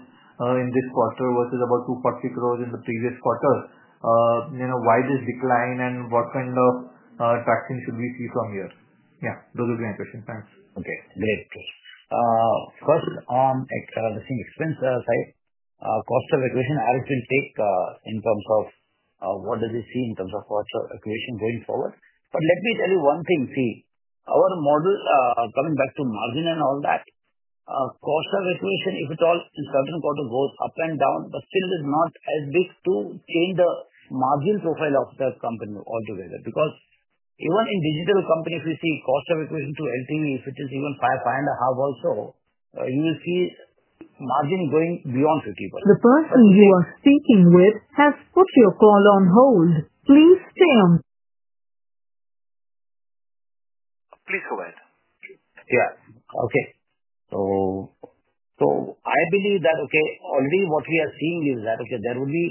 S12: in this quarter versus about 240 crores in the previous quarter. Why this decline and what kind of traction should we see from here? Yeah. Those would be my questions. Thanks.
S3: Okay. Great question. First, on the same expense side, Cost of Acquisition, Arief will take in terms of what does he see in terms of Cost of Acquisition going forward. Let me tell you one thing. See, our model, coming back to margin and all that, Cost of Acquisition, if at all, in certain quarters goes up and down, but still is not as big to change the margin profile of the company altogether. Because even in digital companies, we see Cost of Acquisition to LTV, if it is even five and a half also, you will see margin going beyond 50%.
S13: The person you are speaking with has put your call on hold. Please stay on.
S12: Please go ahead.
S3: Yeah. Okay. I believe that, okay, already what we are seeing is that, okay, there will be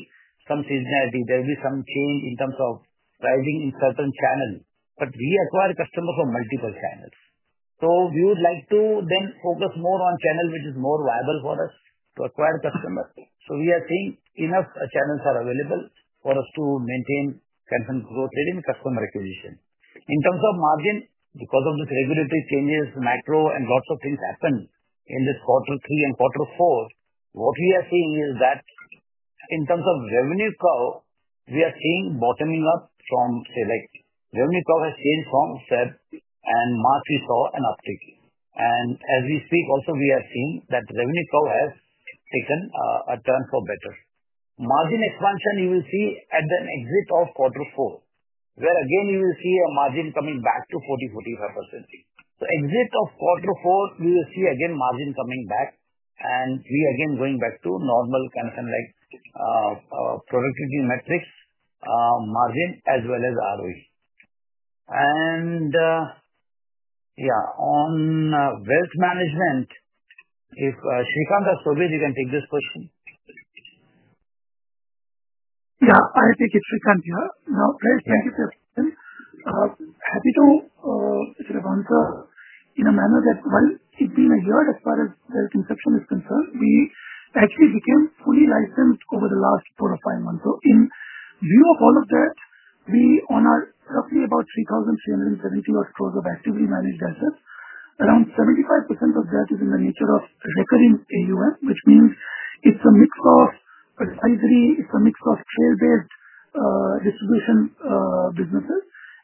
S3: some seasonality. There will be some change in terms of pricing in certain channels. We acquire customers from multiple channels. We would like to then focus more on channels which is more viable for us to acquire customers. We are seeing enough channels are available for us to maintain consent growth rate in customer acquisition. In terms of margin, because of these regulatory changes, macro, and lots of things happened in this Q3 and Q4, what we are seeing is that in terms of revenue curve, we are seeing bottoming up from, say, revenue curve has changed from said, and March, we saw an uptick. As we speak also, we are seeing that revenue curve has taken a turn for better. Margin expansion, you will see at the exit of quarter four, where again you will see a margin coming back to 40%-45%. Exit of Q4, we will see again margin coming back, and we again going back to normal kind of productivity metrics, margin, as well as ROE. Yeah, on Wealth Management, if Srikanth or Shobhi, you can take this question.
S7: Yeah. I'll take it, Srikanth here now. Prayesh, thank you for your question. Happy to sort of answer in a manner that, you know, it's been a year as far as wealth conception is concerned. We actually became fully licensed over the last four or five months. In view of all of that, we own roughly about 3,370 crores of actively managed assets. Around 75% of that is in the nature of recording AUM, which means it's a mix of advisory, it's a mix of trail-based distribution businesses,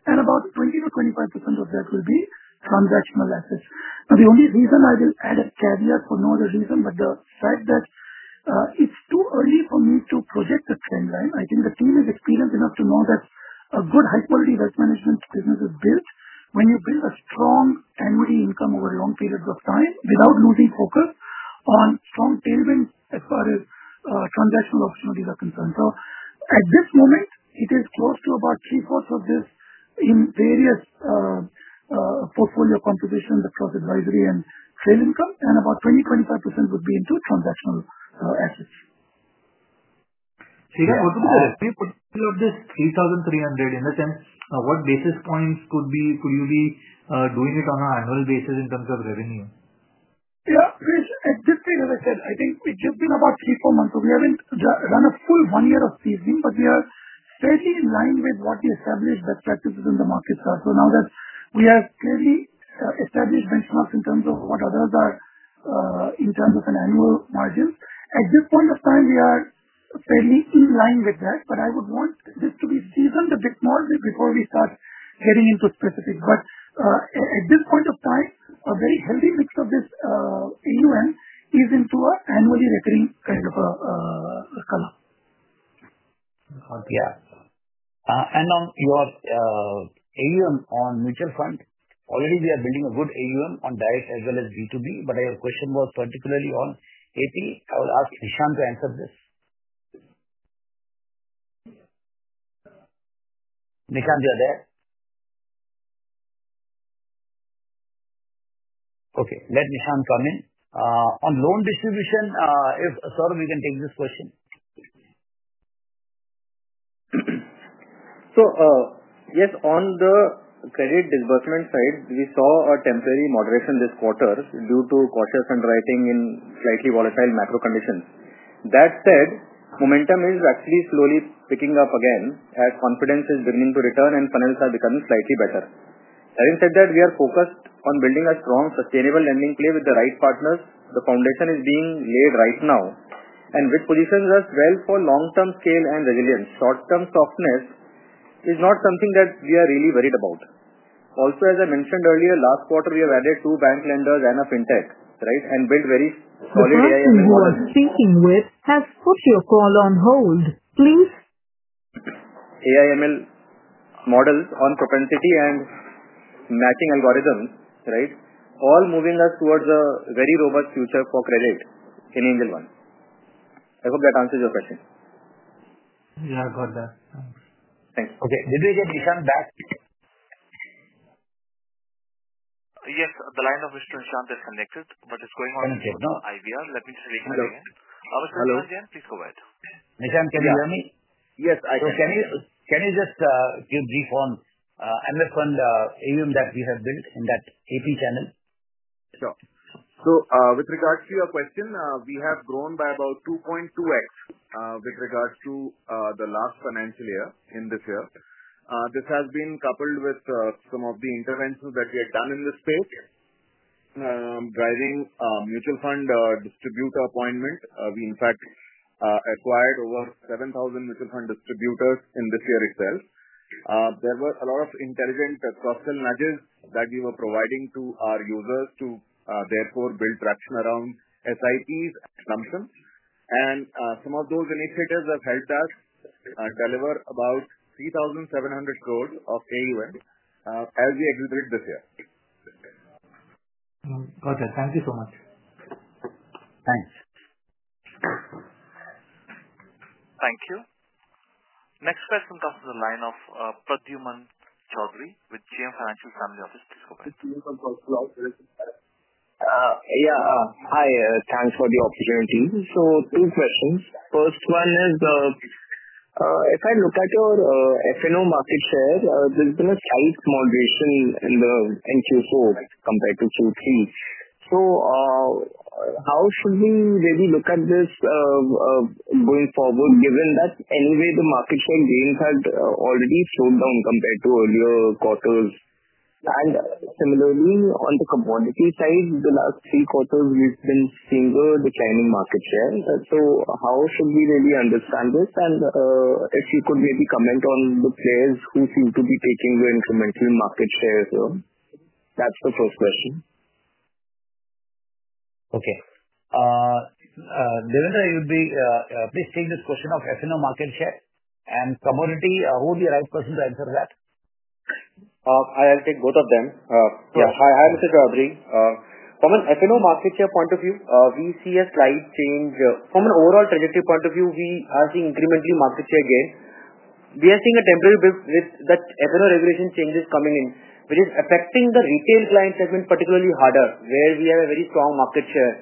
S7: and about 20%-25% of that will be transactional assets. Now, the only reason I will add a caveat for no other reason, but the fact that it's too early for me to project a trend line. I think the team is experienced enough to know that a good high-quality wealth management business is built when you build a strong annuity income over long periods of time without losing focus on strong tailwinds as far as transactional opportunities are concerned. At this moment, it is close to about three-fourths of this in various portfolio compositions across advisory and trail income, and about 20%-25% would be into transactional assets.
S12: Srikanth, what would be the revenue profit of this INR 3,300 in the sense of what basis points could you be doing it on an annual basis in terms of revenue?
S7: Yeah. Prayesh, at this stage, as I said, I think it's just been about three to four months. We haven't done a full one year of seasoning, but we are fairly in line with what the established best practices in the markets are. Now that we have clearly established benchmarks in terms of what others are in terms of an annual margin, at this point of time, we are fairly in line with that. I would want this to be seasoned a bit more before we start getting into specifics. At this point of time, a very healthy mix of this AUM is into an annually recurring kind of a color.
S3: Yeah. On your AUM on Mutual Fund, already we are building a good AUM on direct as well as B2B, but your question was particularly on AP. I will ask Nishant to answer this. Nishant, you are there? Okay. Let Nishant come in. On loan distribution, if Saurabh, you can take this question.
S14: Yes, on the credit disbursement side, we saw a temporary moderation this quarter due to cautious underwriting in slightly volatile macro conditions. That said, momentum is actually slowly picking up again as confidence is beginning to return and finance are becoming slightly better. Having said that, we are focused on building a strong sustainable lending play with the right partners. The foundation is being laid right now, which positions us well for long-term scale and resilience. Short-term softness is not something that we are really worried about. Also, as I mentioned earlier, last quarter, we have added two bank lenders and a FinTech, right, and built very solid AI/ML models.
S13: The person you are speaking with, has put your call on hold. Please—
S14: AI/ML models on propensity and matching algorithms, right, all moving us towards a very robust future for credit in Angel One. I hope that answers your question.
S12: Yeah. Got that. Thanks.
S3: Okay. Did we get Nishant back?
S1: Yes. The line of Mr. Nishant is connected, but it is going on in the IVR. Let me just reconnect again. Mr. Nishant, again, please go ahead.
S3: Nishant, can you hear me?
S15: Yes, I can.
S3: Can you just give brief on MF fund AUM that we have built in that AP channel?
S15: Sure. With regards to your question, we have grown by about 2.2x with regards to the last financial year in this year. This has been coupled with some of the interventions that we had done in this space, driving Mutual Fund Distributor appointment. We, in fact, acquired over 7,000 Mutual Fund Distributors in this year itself. There were a lot of intelligent cross-sell nudges that we were providing to our users to therefore build traction around SIPs and lump sums. Some of those initiatives have helped us deliver about 3,700 crores of AUM as we executed this year.
S12: Got it. Thank you so much.
S3: Thanks.
S1: Thank you. Next question comes from the line of Pradyumna Choudhary with JM Financial Limited. Please go ahead.
S16: Yeah. Hi. Thanks for the opportunity. Two questions. First one is, if I look at your F&O market share, there's been a slight moderation in Q4 compared to Q3. How should we really look at this going forward, given that anyway the market share gain had already slowed down compared to earlier quarters? Similarly, on the commodity side, the last three quarters, we've been seeing a declining market share. How should we really understand this? If you could maybe comment on the players who seem to be taking the incremental market share here. That's the first question.
S3: Okay. Devender, you'd be—please take this question of F&O market share and commodity, who would be the right person to answer that?
S17: I'll take both of them. Hi, Mr. Choudhary. From an F&O market share point of view, we see a slight change. From an overall trajectory point of view, we are seeing incrementally market share gain. We are seeing a temporary break with the F&O regulation changes coming in, which is affecting the retail clients have been particularly harder, where we have a very strong market share.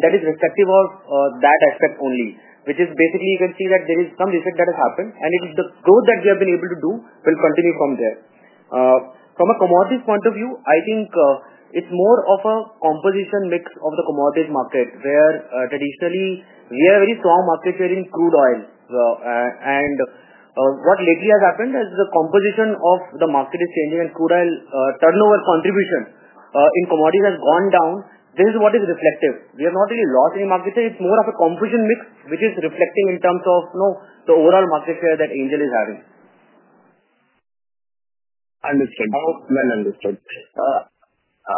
S17: That is respective of that aspect only, which is basically you can see that there is some defect that has happened, and the growth that we have been able to do will continue from there. From a commodities point of view, I think it's more of a composition mix of the commodities market, where traditionally we have a very strong market share in crude oil. Lately, what has happened is the composition of the market is changing, and crude oil turnover contribution in commodities has gone down. This is what is reflective. We have not really lost any market share. It is more of a composition mix which is reflecting in terms of the overall market share that Angel is having.
S16: Understood. The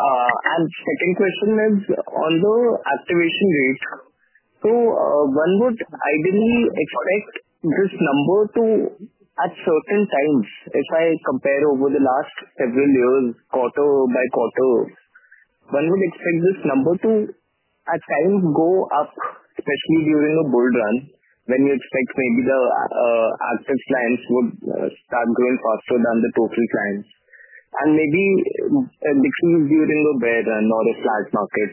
S16: second question is on the activation rate. One would ideally expect this number to, at certain times, if I compare over the last several years, quarter by quarter, one would expect this number to, at times, go up, especially during a bull run, when you expect maybe the active clients would start growing faster than the total clients. Maybe it decreased during a bear run or a flat market.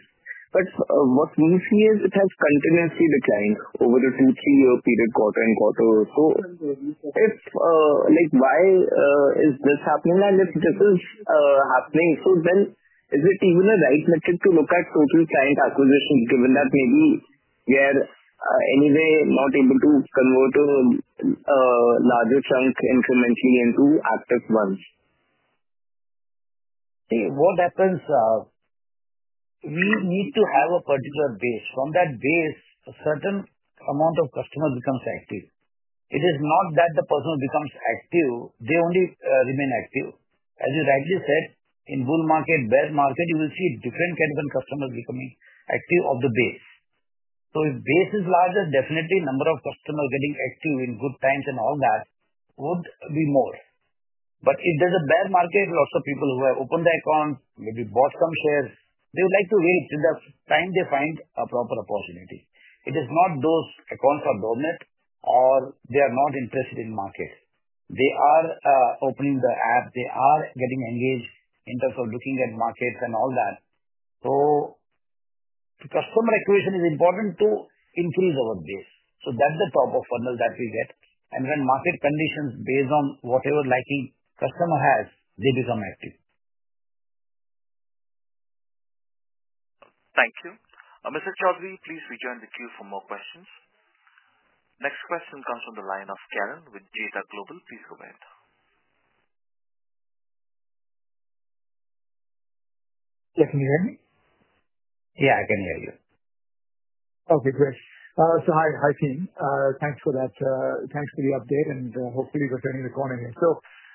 S16: What we see is it has continuously declined over a two- to three-year period, quarter-on-quarter. Why is this happening? If this is happening, is it even a right metric to look at total client acquisition, given that maybe we are anyway not able to convert a larger chunk incrementally into active ones?
S3: What happens, we need to have a particular base. From that base, a certain amount of customers becomes active. It is not that the person who becomes active, they only remain active. As you rightly said, in bull market, bear market, you will see different kinds of customers becoming active off the base. If base is larger, definitely number of customers getting active in good times and all that would be more. If there is a bear market, lots of people who have opened their accounts, maybe bought some shares, they would like to wait till the time they find a proper opportunity. It is not those accounts are dormant or they are not interested in market. They are opening the app. They are getting engaged in terms of looking at markets and all that. Customer acquisition is important to increase over base. That's the top of funnel that we get. When market conditions, based on whatever liking customer has, they become active.
S1: Thank you. Mr. Choudhary, please rejoin the queue for more questions. Next question comes from the line of Karan with Jetha Global. Please go ahead.
S18: Can you hear me?
S3: Yeah. I can hear you.
S18: Okay. Great. Hi, team. Thanks for that. Thanks for the update, and hopefully returning the call anyway.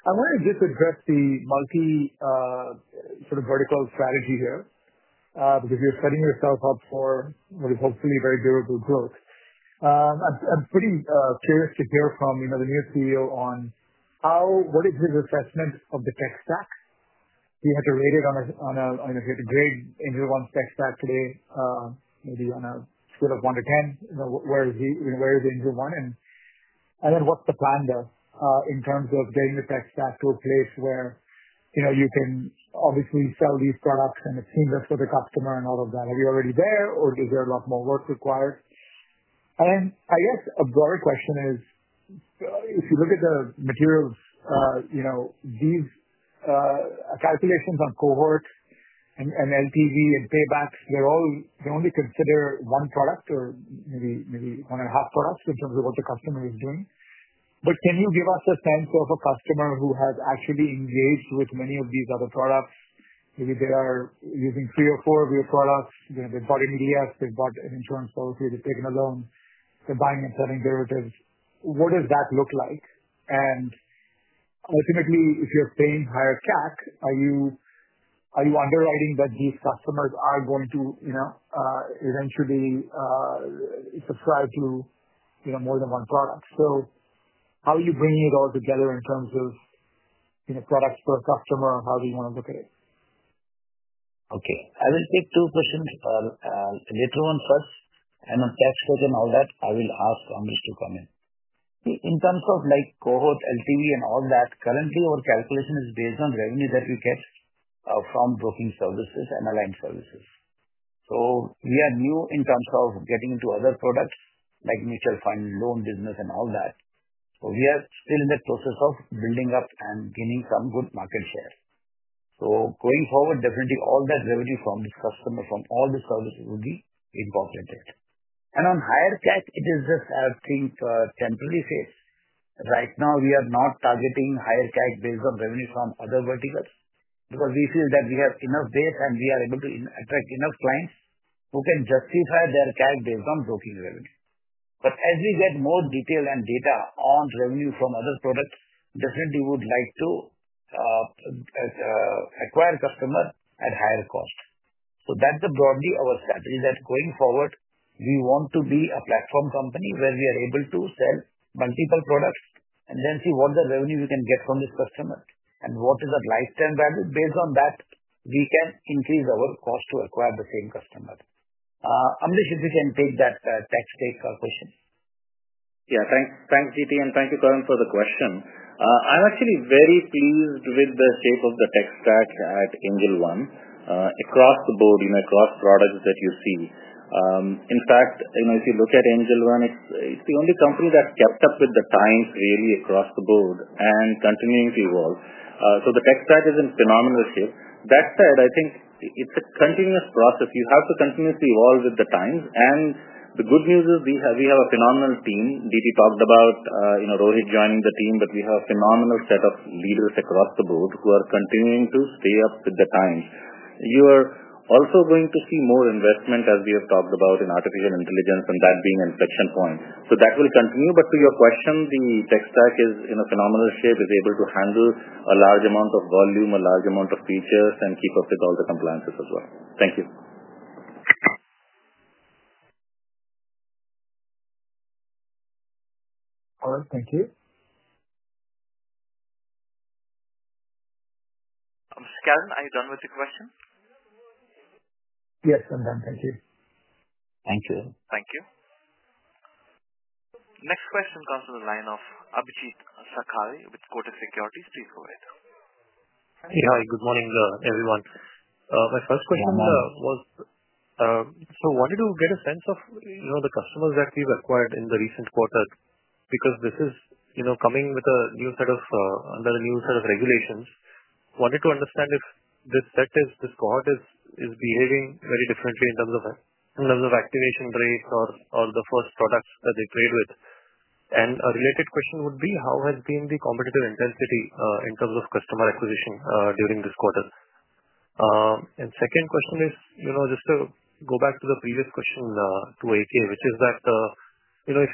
S18: I want to just address the multi-sort of vertical strategy here because you're setting yourself up for hopefully very durable growth. I'm pretty curious to hear from the new CEO on what is his assessment of the Tech Stack. If he had to rate it, if he had to grade Angel One's Tech Stack today, maybe on a scale of 1 to 10, where is Angel One? What's the plan there in terms of getting the Tech Stack to a place where you can obviously sell these products and it's seamless for the customer and all of that? Are we already there, or is there a lot more work required? I guess a broader question is, if you look at the materials, these calculations on cohorts and LTV and paybacks, they only consider one product or maybe one and a half products in terms of what the customer is doing. Can you give us a sense of a customer who has actually engaged with many of these other products? Maybe they are using three or four of your products. They have bought an ETF. They have bought an insurance policy. They have taken a loan. They are buying and selling derivatives. What does that look like? Ultimately, if you are paying higher CAC, are you underwriting that these customers are going to eventually subscribe to more than one product? How are you bringing it all together in terms of products per customer? How do you want to look at it?
S3: Okay. I will take two questions. Later on, first, and on Tech Stack and all that, I will ask Ambarish to come in. In terms of cohort, LTV, and all that, currently, our calculation is based on revenue that we get from broking services and aligned services. We are new in terms of getting into other products like Mutual Fund, loan business, and all that. We are still in the process of building up and gaining some good market share. Going forward, definitely all that revenue from this customer, from all the services, will be incorporated. On higher CAC, it is just, I think, a temporary phase. Right now, we are not targeting higher CAC based on revenue from other verticals because we feel that we have enough base and we are able toc attract enough clients who can justify their CAC based on broking revenue. As we get more detail and data on revenue from other products, definitely would like to acquire customers at higher cost. That is broadly our strategy that going forward, we want to be a platform company where we are able to sell multiple products and then see what the revenue we can get from this customer and what is the lifetime value. Based on that, we can increase our cost to acquire the same customer. Ambarish, if you can take that Tech Stack question.
S4: Yeah. Thanks, DT, and thank you, Karan, for the question. I'm actually very pleased with the shape of the Tech Stack at Angel One across the board, across products that you see. In fact, if you look at Angel One, it's the only company that's kept up with the times really across the board and continuing to evolve. The Tech Stack is in phenomenal shape. That said, I think it's a continuous process. You have to continuously evolve with the times. The good news is we have a phenomenal team. DT talked about Rohit joining the team, but we have a phenomenal set of leaders across the board who are continuing to stay up with the times. You are also going to see more investment, as we have talked about, in Artificial Intelligence and that being inflection point. That will continue. To your question, the Tech Stack is in a phenomenal shape, is able to handle a large amount of volume, a large amount of features, and keep up with all the compliances as well. Thank you.
S18: All right. Thank you.
S1: Karan, are you done with the question?
S18: Yes, I'm done. Thank you.
S3: Thank you.
S1: Thank you. Next question comes from the line of Abhijeet Sakhare with Kotak Securities. Please go ahead.
S19: Yeah. Hi. Good morning, everyone. My first question was, wanted to get a sense of the customers that we've acquired in the recent quarter because this is coming with a new set of, under a new set of regulations. Wanted to understand if this set, is this cohort behaving very differently in terms of activation rate or the first products that they played with. A related question would be, how has the competitive intensity been in terms of customer acquisition during this quarter? Second question is just to go back to the previous question to AK, which is that if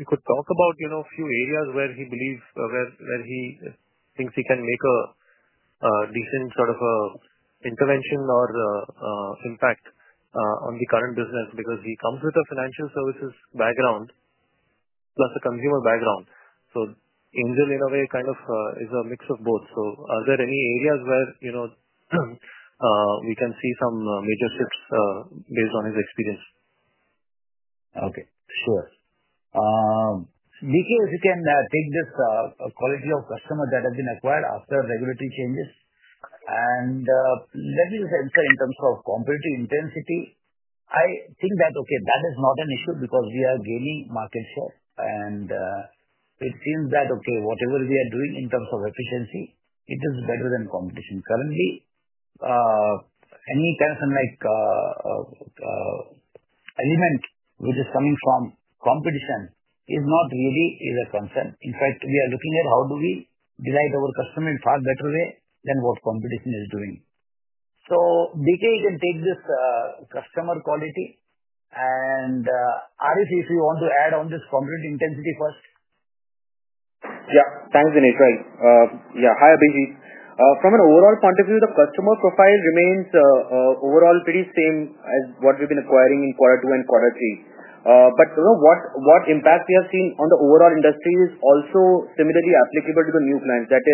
S19: he could talk about a few areas where he believes, where he thinks he can make a decent sort of intervention or impact on the current business because he comes with a financial services background plus a consumer background. Angel, in a way, kind of is a mix of both. Are there any areas where we can see some major shifts based on his experience?
S3: Okay. Sure. DK, if you can take this quality of customer that has been acquired after regulatory changes. Let me just answer in terms of competitive intensity. I think that is not an issue because we are gaining market share. It seems that whatever we are doing in terms of efficiency, it is better than competition. Currently, any kind of element which is coming from competition is not really a concern. In fact, we are looking at how do we delight our customer in a far better way than what competition is doing. DK, you can take this customer quality. Arief, if you want to add on this competitive intensity first.
S17: Yeah. Thanks, Dinesh bhai. Right. Yeah. Hi, Abhijeet, from an overall point of view, the customer profile remains overall pretty same as what we've been acquiring in Q2 and Q3. What impact we have seen on the overall industry is also similarly applicable to the new clients. That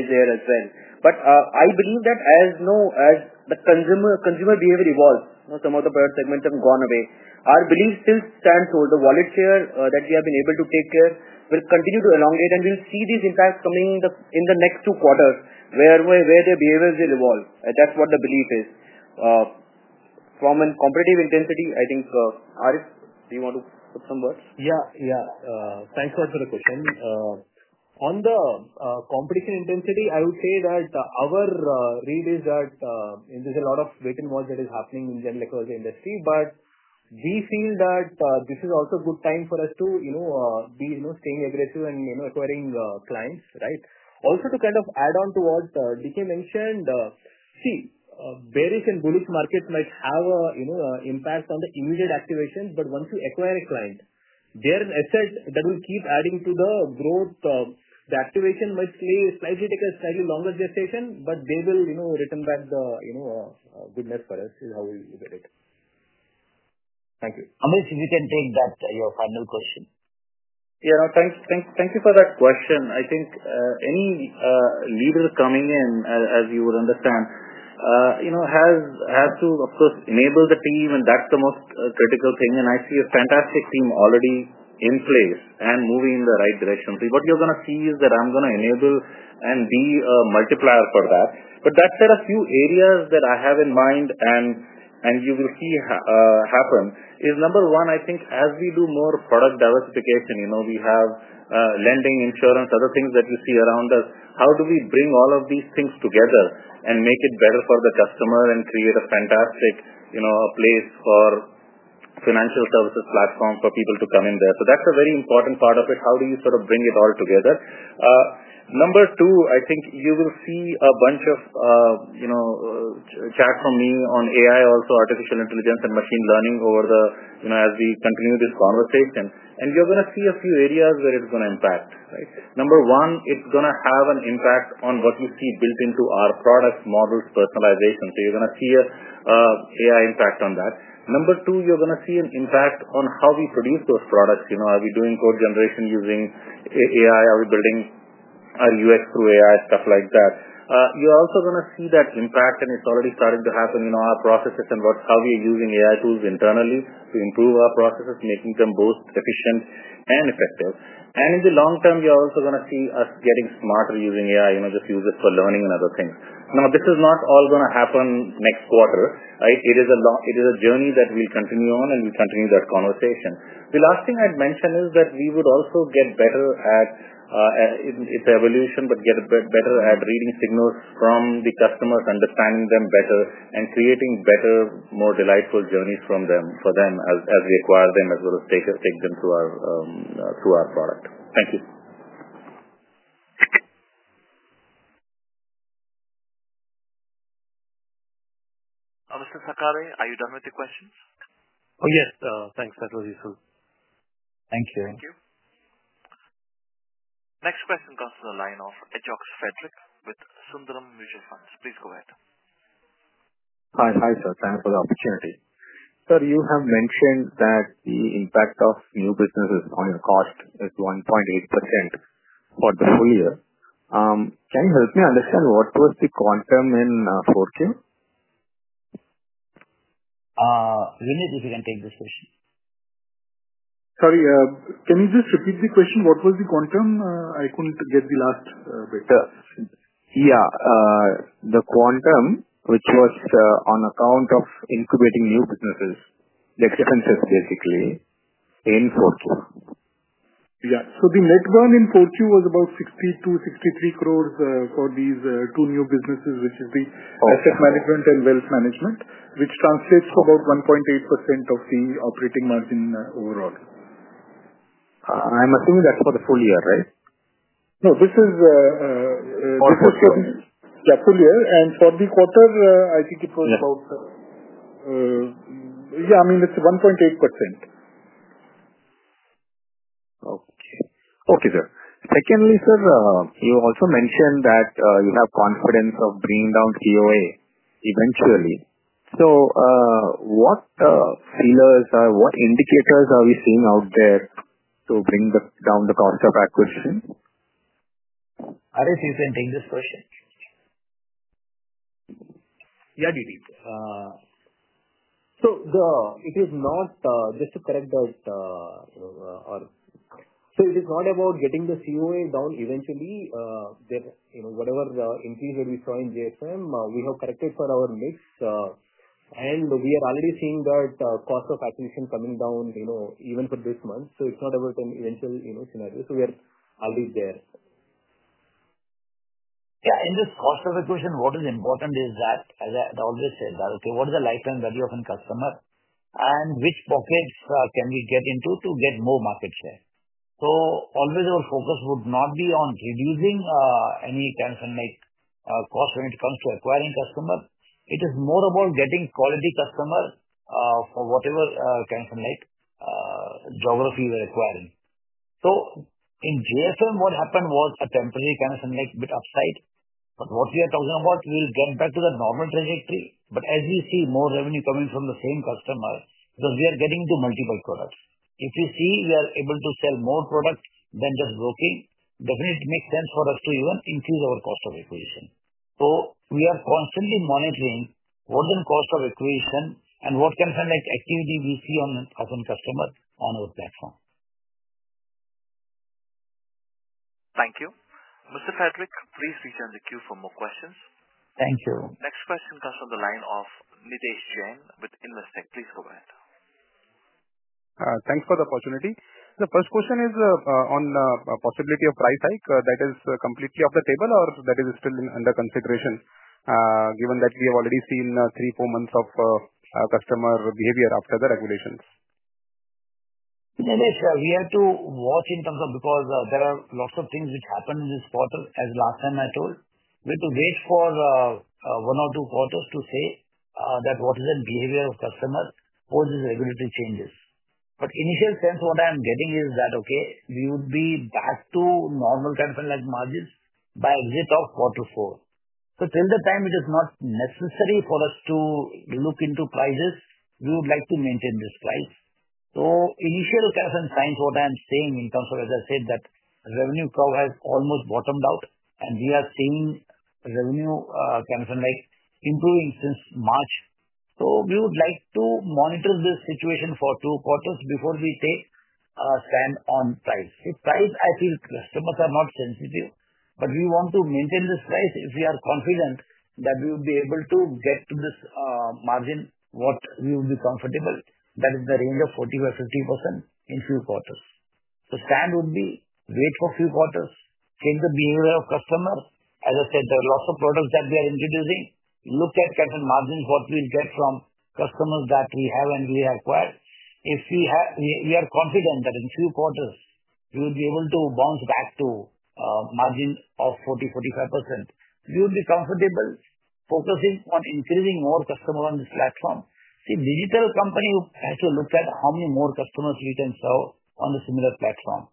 S17: is there as well. I believe that as the consumer behavior evolves, some of the product segments have gone away. Our belief still stands hold. The wallet share that we have been able to take care will continue to elongate, and we'll see these impacts coming in the next two quarters where the behaviors will evolve. That's what the belief is. From a competitive intensity, I think, Arief, do you want to put some words?
S11: Yeah. Yeah. Thanks a lot for the question. On the competition intensity, I would say that our read is that there's a lot of wait-and-watch that is happening in general across the industry. We feel that this is also a good time for us to be staying aggressive and acquiring clients, right? Also to kind of add on to what DK mentioned, see, bearish and bullish markets might have an impact on the immediate activation. Once you acquire a client, they are an asset that will keep adding to the growth. The activation might take a slightly longer gestation, but they will return back. The goodness for us is how we look at it.
S3: Thank you. Ambarish, if you can take that, your final question.
S4: Yeah. Thank you for that question. I think any leader coming in, as you would understand, has to, of course, enable the team, and that's the most critical thing. I see a fantastic team already in place and moving in the right direction. What you're going to see is that I'm going to enable and be a multiplier for that. That said, a few areas that I have in mind and you will see happen is number one, I think, as we do more product diversification, we have lending, insurance, other things that you see around us, how do we bring all of these things together and make it better for the customer and create a fantastic place for financial services platform for people to come in there? That's a very important part of it. How do you sort of bring it all together? Number two, I think you will see a bunch of chat from me on AI, also Artificial Intelligence and Machine Learning as we continue this conversation. You are going to see a few areas where it is going to impact, right? Number one, it is going to have an impact on what you see built into our product model's personalization. You are going to see an AI impact on that. Number two, you are going to see an impact on how we produce those products. Are we doing code generation using AI? Are we building our UX through AI, stuff like that? You are also going to see that impact, and it is already starting to happen, our processes and how we are using AI tools internally to improve our processes, making them both efficient and effective. In the long term, you're also going to see us getting smarter using AI, just use it for learning and other things. Now, this is not all going to happen next quarter, right? It is a journey that we'll continue on, and we'll continue that conversation. The last thing I'd mention is that we would also get better at its evolution, but get better at reading signals from the customers, understanding them better, and creating better, more delightful journeys for them as we acquire them as well as take them through our product. Thank you.
S1: Mr. Sakhare, are you done with the questions?
S19: Oh, yes. Thanks. That was useful.
S3: Thank you.
S1: Thank you. Next question comes from the line of Ajox Frederick with Sundaram Mutual Funds. Please go ahead.
S20: Hi. Hi, sir. Thanks for the opportunity. Sir, you have mentioned that the impact of new businesses on your cost is 1.8% for the full year. Can you help me understand what was the quantum in Q4?
S3: Vineet, if you can take this question.
S8: Sorry. Can you just repeat the question? What was the quantum? I couldn't get the last bit.
S20: Yeah. The quantum, which was on account of incubating new businesses, the expenses, basically, in Q4.
S8: Yeah. The net burn in Q4 was about 60-63 crores for these two new businesses, which is the Asset Management and Wealth Management, which translates to about 1.8% of the operating margin overall.
S20: I'm assuming that's for the full year, right?
S8: No, this is the— yes, full year. Yeah, full year. I think it was about—yeah, I mean, it's 1.8%.
S20: Okay, sir. Secondly, sir, you also mentioned that you have confidence of bringing down COA eventually. What indicators are we seeing out there to bring down the Cost of Acquisition?
S3: Arief, you can take this question.
S11: Yeah, DT. It is not— just to correct that. It is not about getting the COA down eventually. Whatever increase that we saw in JFM, we have corrected for our mix. We are already seeing that Cost of Acquisition coming down even for this month. It is not about an eventual scenario. We are already there.
S3: Yeah. In this Cost of Acquisition, what is important is that, as I always said, okay, what is the Lifetime Value of a customer and which pockets can we get into to get more market share? Always our focus would not be on reducing any kind of cost when it comes to acquiring customers. It is more about getting quality customers for whatever kind of geography we're acquiring. In JFM, what happened was a temporary kind of bit upside. What we are talking about, we'll get back to the normal trajectory. As we see more revenue coming from the same customer, because we are getting into multiple products, if we see we are able to sell more product than just broking, definitely it makes sense for us to even increase our Cost of Acquisition. We are constantly monitoring what the Cost of Acquisition and what kind of activity we see on customer on our platform.
S1: Thank you. Mr. Frederick, please return to the queue for more questions.
S20: Thank you.
S1: Next question comes from the line of Nidhesh Jain with Investec. Please go ahead.
S21: Thanks for the opportunity. The first question is on the possibility of price hike. That is completely off the table, or that is still under consideration, given that we have already seen three, four months of customer behavior after the regulations?
S3: Nidhesh, we have to watch in terms of because there are lots of things which happened in this quarter, as last time I told. We have to wait for one or two quarters to say that what is the behavior of customers for these regulatory changes. Initial sense, what I'm getting is that, okay, we would be back to normal kind of margins by exit of Q4. Till the time, it is not necessary for us to look into prices. We would like to maintain this price. Initial kind of signs what I am seeing in terms of, as I said, that revenue has almost bottomed out, and we are seeing revenue kind of improving since March. We would like to monitor this situation for two quarters before we take a stand on price. With price, I feel customers are not sensitive, but we want to maintain this price if we are confident that we will be able to get to this margin what we will be comfortable. That is the range of 40%-50% in a few quarters. Stand would be wait for a few quarters. Change the behavior of customers. As I said, there are lots of products that we are introducing. Look at margins, what we'll get from customers that we have and we have acquired. If we are confident that in a few quarters, we will be able to bounce back to a margin of 40%-45%, we would be comfortable focusing on increasing more customers on this platform. See, digital company has to look at how many more customers we can serve on a similar platform.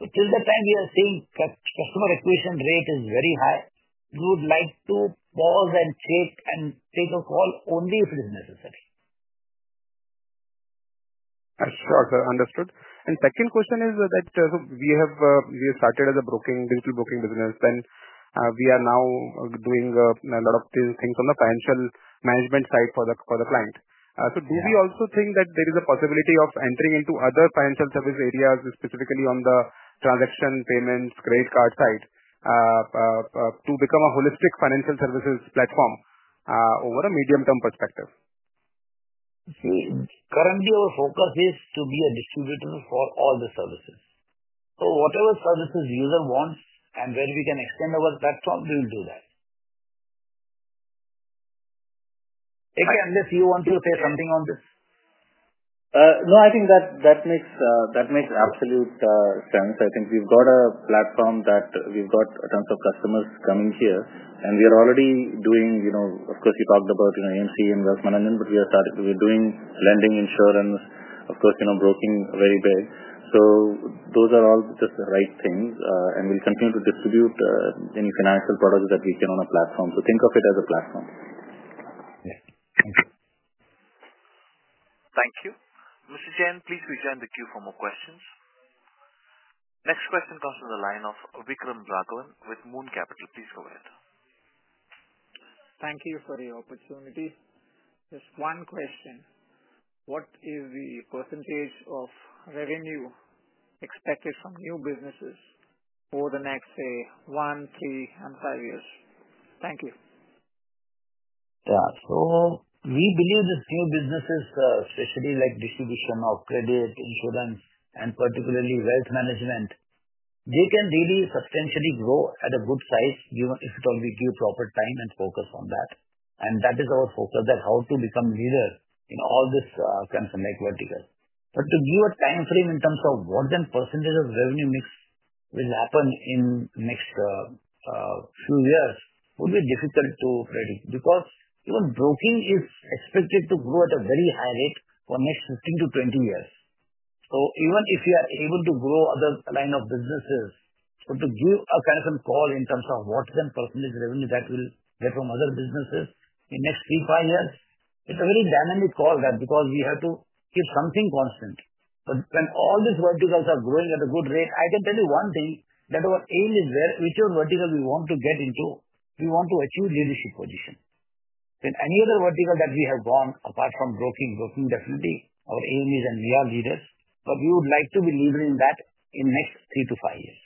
S3: Till the time we are seeing customer acquisition rate is very high, we would like to pause and check and take a call only if it is necessary.
S21: Sure, sir. Understood. The second question is that we have started as a digital broking business, then we are now doing a lot of things on the financial management side for the client. Do we also think that there is a possibility of entering into other financial service areas, specifically on the transaction, payments, credit card side, to become a holistic financial services platform over a medium-term perspective?
S3: See, currently, our focus is to be a distributor for all the services. So whatever services the user wants and where we can extend our platform, we will do that. AK, you want to say something on this?
S4: No, I think that makes absolute sense. I think we've got a platform that we've got tons of customers coming here. We are already doing, of course, you talked about AMC investment, but we are doing lending, insurance, of course, broking very big. Those are all just the right things. We will continue to distribute any financial products that we can on a platform. Think of it as a platform.
S21: Yeah. Thank you.
S1: Thank you. Mr. Jain, please return to the queue for more questions. Next question comes from the line of Vikram Raghavan with Moon Capital. Please go ahead.
S22: Thank you for the opportunity. Just one question. What is the percentage of revenue expected from new businesses over the next, say, one, three, and five years? Thank you.
S3: Yeah. We believe these new businesses, especially distribution of credit, insurance, and particularly Wealth Management, can really substantially grow at a good size if we give proper time and focus on that. That is our focus, how to become leader in all this kind of vertical. To give a time frame in terms of what the percentage of revenue mix will happen in the next few years would be difficult to predict because even broking is expected to grow at a very high rate for the next 15-20 years. Even if you are able to grow other lines of businesses, to give a kind of call in terms of what's the percentage revenue that we'll get from other businesses in the next three, five years, it's a very dynamic call because we have to keep something constant. When all these verticals are growing at a good rate, I can tell you one thing, that our aim is whichever vertical we want to get into, we want to achieve leadership position. In any other vertical that we have gone, apart from broking, broking definitely, our aim is that we are leaders. We would like to be leaders in that in the next three to five years.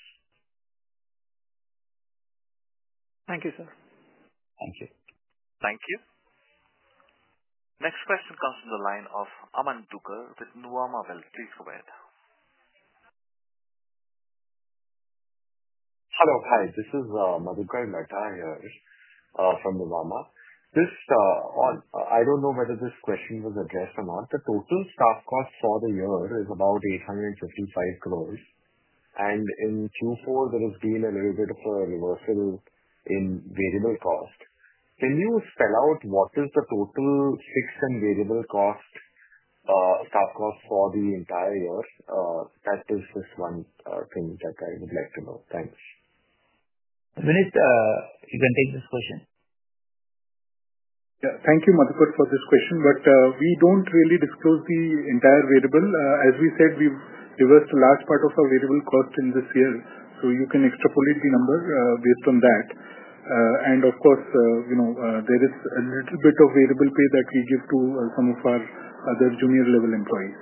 S22: Thank you, sir.
S3: Thank you.
S1: Thank you. Next question comes from the line of Aman Dugar with Nuvama Wealth. Please go ahead.
S23: Hello. Hi. This is Madhukar Ladha here from Nuvama. I do not know whether this question was addressed or not. The total staff cost for the year is about INR 8.55 billion. In Q4, there has been a little bit of a reversal in variable cost. Can you spell out what is the total fixed and variable staff cost for the entire year? That is just one thing that I would like to know. Thanks.
S3: Vineet, you can take this question.
S8: Yeah. Thank you, Madhukar, for this question. We do not really disclose the entire variable. As we said, we have reversed a large part of our variable cost in this year. You can extrapolate the number based on that. Of course, there is a little bit of variable pay that we give to some of our other junior-level employees.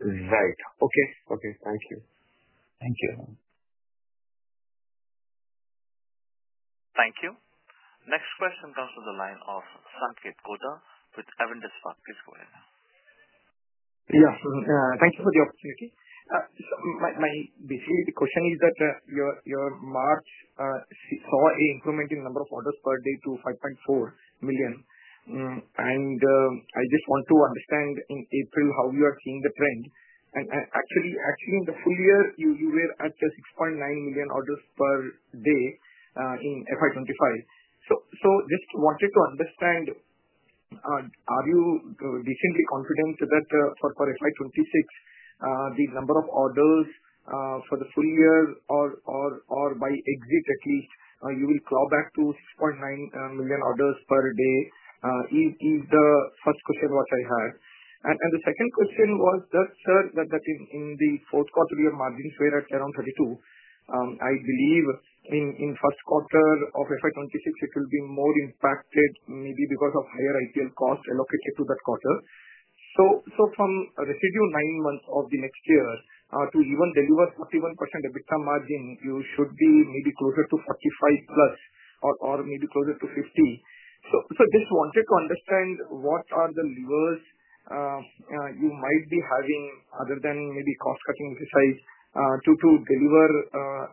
S23: Right. Okay. Okay. Thank you.
S3: Thank you.
S1: Thank you. Next question comes from the line of Sanketh Godha with Avendus Spark Please go ahead.
S24: Yes. Thank you for the opportunity. Basically, the question is that your March saw an increment in the number of orders per day to 5.4 million. I just want to understand in April how you are seeing the trend. Actually, in the full year, you were at 6.9 million orders per day in FY2025. I just wanted to understand, are you decently confident that for FY2026, the number of orders for the full year or by exit, at least, you will claw back to 6.9 million orders per day? That is the first question I had. The second question was that, sir, in the fourth quarter, your margins were at around 32%. I believe in the first quarter of FY2026, it will be more impacted maybe because of higher IPL cost allocated to that quarter. From the residual nine months of the next year to even deliver 41% EBITDA margin, you should be maybe closer to 45% plus or maybe closer to 50%. I just wanted to understand what are the levers you might be having other than maybe cost-cutting exercise to deliver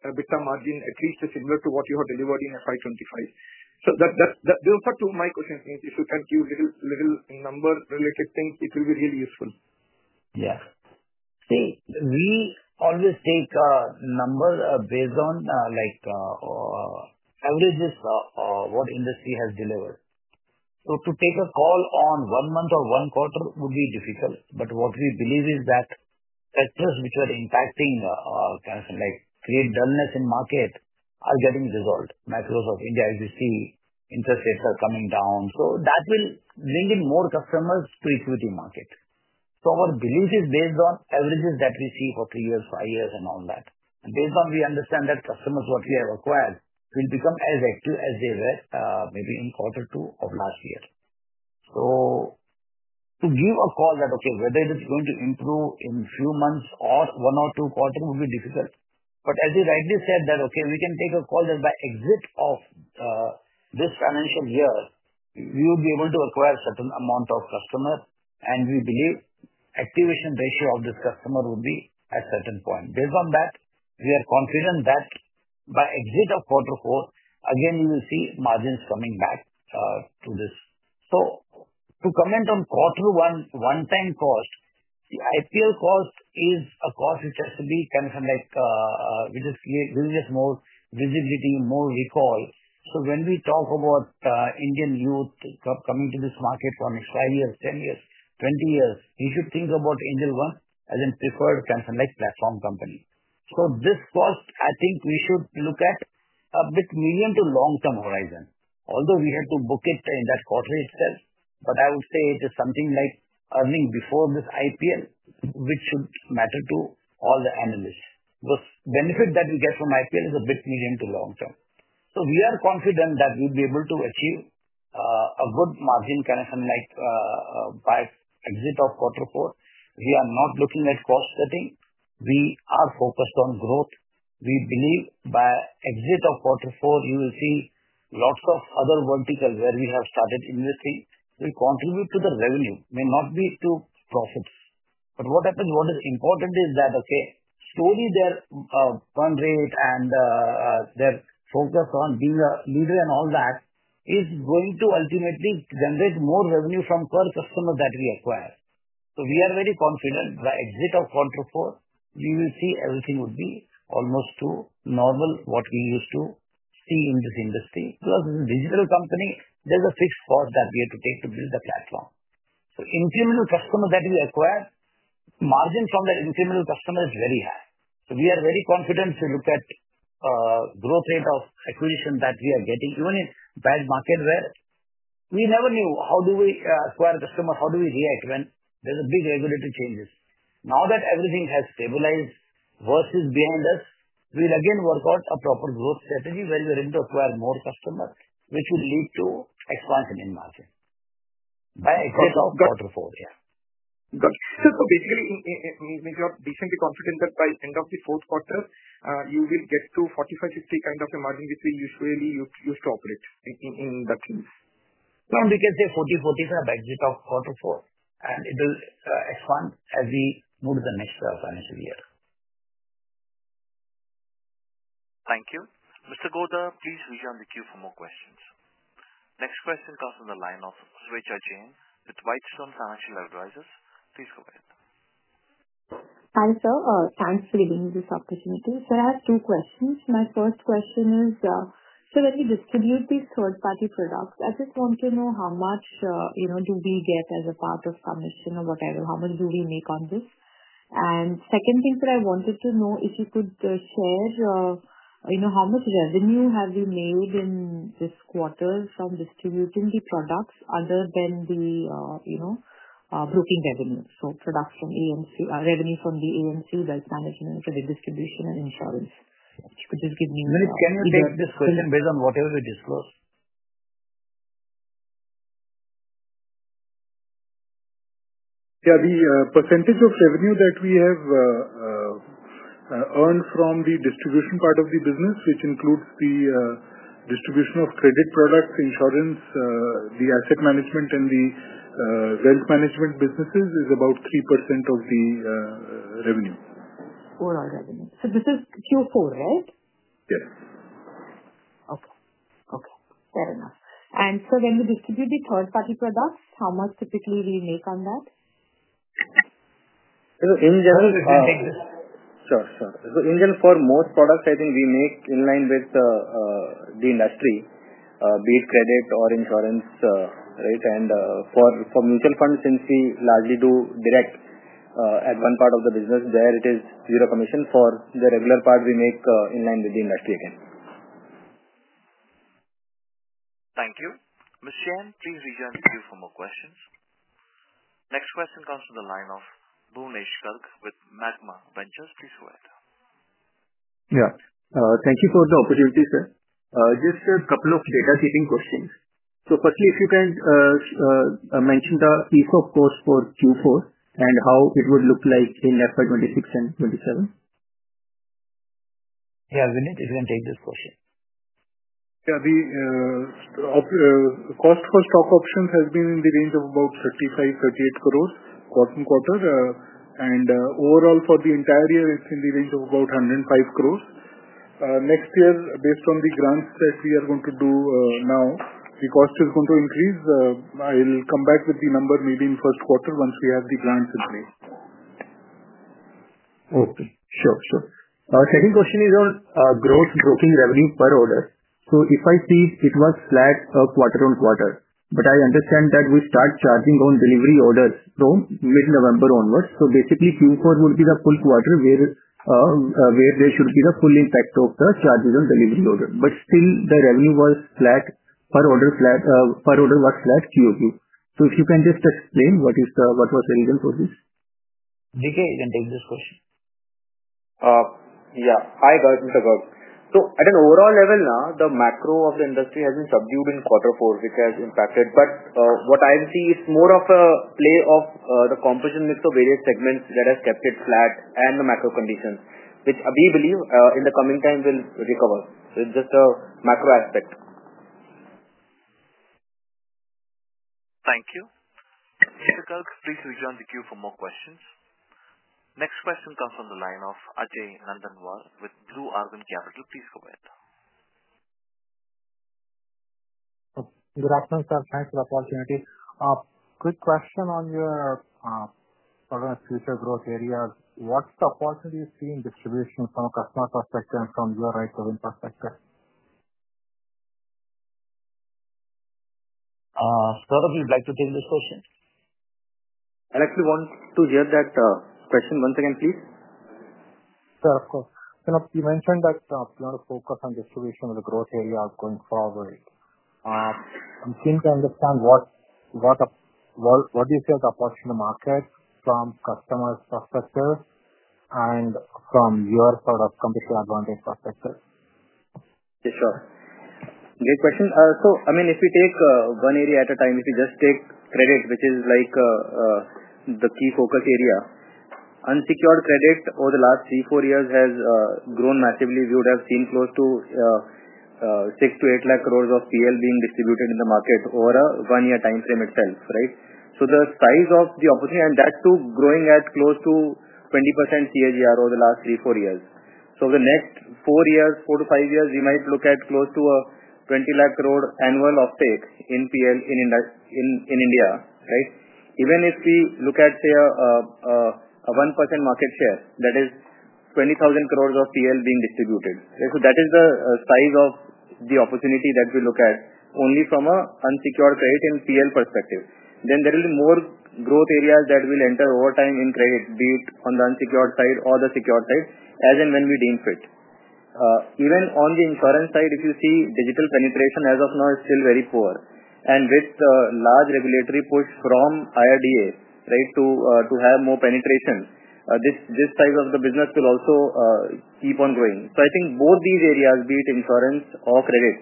S24: EBITDA margin at least similar to what you have delivered in FY2025. Those are two of my questions. If you can give little number-related things, it will be really useful.
S3: Yeah. See, we always take numbers based on averages of what industry has delivered. To take a call on one month or one quarter would be difficult. What we believe is that factors which are impacting, create dullness in market, are getting resolved. Macros of India, as you see, interest rates are coming down. That will bring in more customers to the equity market. Our belief is based on averages that we see for three years, five years, and all that. Based on, we understand that customers what we have acquired will become as active as they were maybe in Q2 of last year. To give a call that, okay, whether it is going to improve in a few months or one or two quarters would be difficult. As you rightly said, that, okay, we can take a call that by exit of this financial year, we will be able to acquire a certain amount of customers. We believe the activation ratio of this customer would be at a certain point. Based on that, we are confident that by exit of quarter four, again, we will see margins coming back to this. To comment on Q1 one-time cost, the IPL cost is a cost which has to be kind of which will give us more visibility, more recall. When we talk about Indian youth coming to this market for next five years, 10 years, 20 years, we should think about Angel One as a preferred kind of platform company. This cost, I think we should look at a bit medium-to-long-term horizon. Although we have to book it in that quarter itself, I would say it is something like earning before this IPL, which should matter to all the analysts. The benefit that we get from IPL is a bit medium to long-term. We are confident that we'll be able to achieve a good margin kind of exit of Q4. We are not looking at cost-cutting. We are focused on growth. We believe by exit of Q4, you will see lots of other verticals where we have started investing will contribute to the revenue. It may not be to profits. What is important is that, okay, slowly their burn rate and their focus on being a leader and all that is going to ultimately generate more revenue from per customer that we acquire. We are very confident by exit of Q4, we will see everything would be almost to normal what we used to see in this industry. Plus, as a digital company, there is a fixed cost that we have to take to build the platform. Incremental customers that we acquire, margin from that incremental customer is very high. We are very confident to look at the growth rate of acquisition that we are getting, even in bad market where we never knew how do we acquire customers, how do we react when there is a big regulatory changes. Now that everything has stabilized versus behind us, we will again work out a proper growth strategy where we are able to acquire more customers, which will lead to expansion in market. By exit of Q4, yeah.
S24: Got it. So basically, you are decently confident that by the end of the fourth quarter, you will get to 45%-50% kind of a margin which we usually used to operate in that case?
S3: We can say 40%-45%. Exit of quarter four. And it will expand as we move to the next financial year.
S1: Thank you. Mr. Godha, please return to the queue for more questions. Next question comes from the line of Swechha Jain with Whitestone Financial Advisors. Please go ahead.
S25: Hi, sir. Thanks for giving me this opportunity. I have two questions. My first question is, when we distribute these third-party products, I just want to know how much do we get as a part of commission or whatever, how much do we make on this? The second thing that I wanted to know is if you could share how much revenue have we made in this quarter from distributing the products other than the broking revenue, so products from AMC, revenue from the AMC, Wealth Management, credit distribution, and insurance. If you could just give me that.
S3: Can you take this question based on whatever you disclose?
S8: Yeah. The percentage of revenue that we have earned from the distribution part of the business, which includes the distribution of credit products, insurance, the asset management, and the wealth management businesses, is about 3% of the revenue.
S25: All our revenue. This is Q4, right?
S8: Yes.
S25: Okay. Okay. Fair enough. When we distribute the third-party products, how much typically we make on that?
S3: In general, if you take this.
S14: Sure. Sure. In general, for most products, I think we make in line with the industry, be it credit or insurance, right? For Mutual Funds, since we largely do direct at one part of the business, there it is zero commission. For the regular part, we make in line with the industry again.
S1: Thank you. Ms. Jain, please return to the queue for more questions. Next question comes from the line of Bhuvnesh Garg with Magma Ventures. Please go ahead.
S26: Yeah. Thank you for the opportunity, sir. Just a couple of data-seeking questions. Firstly, if you can mention the ESOP cost for Q4 and how it would look like in FY2026 and FY2027.
S3: Yeah. Vineet, if you can take this question.
S8: Yeah. The cost for stock options has been in the range of about 350 million-380 million quarter on quarter. Overall, for the entire year, it is in the range of about 1.05 billion. Next year, based on the grants that we are going to do now, the cost is going to increase. I will come back with the number maybe in the first quarter once we have the grants in place.
S26: Okay. Sure. Sure. Second question is on growth and broking revenue per order. If I see it was flat quarter on quarter, but I understand that we start charging on delivery orders from mid-November onwards. Basically, Q4 would be the full quarter where there should be the full impact of the charges on delivery order. Still, the revenue was flat per order was flat Q-o-Q. If you can just explain what was the reason for this?
S3: DK, you can take this question.
S17: Yeah. Hi Mr. Garg. At an overall level now, the macro of the industry has been subdued in quarter four, which has impacted. What I see is more of a play of the composition mix of various segments that has kept it flat and the macro conditions, which we believe in the coming time will recover. It is just a macro aspect.
S1: Thank you. Mr. Garg, please return to the queue for more questions. Next question comes from the line of Ajay Nandanwar with Blue Argon Capital. Please go ahead.
S27: Good afternoon, sir. Thanks for the opportunity. Quick question on your future growth areas. What's the opportunity you see in distribution from a customer perspective and from your right-selling perspective?
S3: Saurabh, would you like to take this question?
S5: I'd actually want to hear that question once again, please.
S27: Sure, of course. You mentioned that you want to focus on distribution with a growth area going forward. I'm trying to understand what do you see as the opportunity market from customer's perspective and from your sort of competitive advantage perspective?
S5: Yeah. Sure. Great question. I mean, if we take one area at a time, if we just take credit, which is the key focus area, unsecured credit over the last three, four years has grown massively. We would have seen close to 6 lakh crores to 8 lakh crores of PL being distributed in the market over a one-year time frame itself, right? The size of the opportunity and that too growing at close to 20% CAGR over the last three, four years. Over the next four to five years, we might look at close to an 20 lakh crores annual offtake in PL in India, right? Even if we look at, say, a 1% market share, that is 20,000 crores of PL being distributed. That is the size of the opportunity that we look at only from an unsecured credit and PL perspective. There will be more growth areas that will enter over time in credit, be it on the unsecured side or the secured side, as and when we deem fit. Even on the insurance side, if you see digital penetration, as of now, it is still very poor. With the large regulatory push from IRDA to have more penetration, this size of the business will also keep on growing. I think both these areas, be it insurance or credit,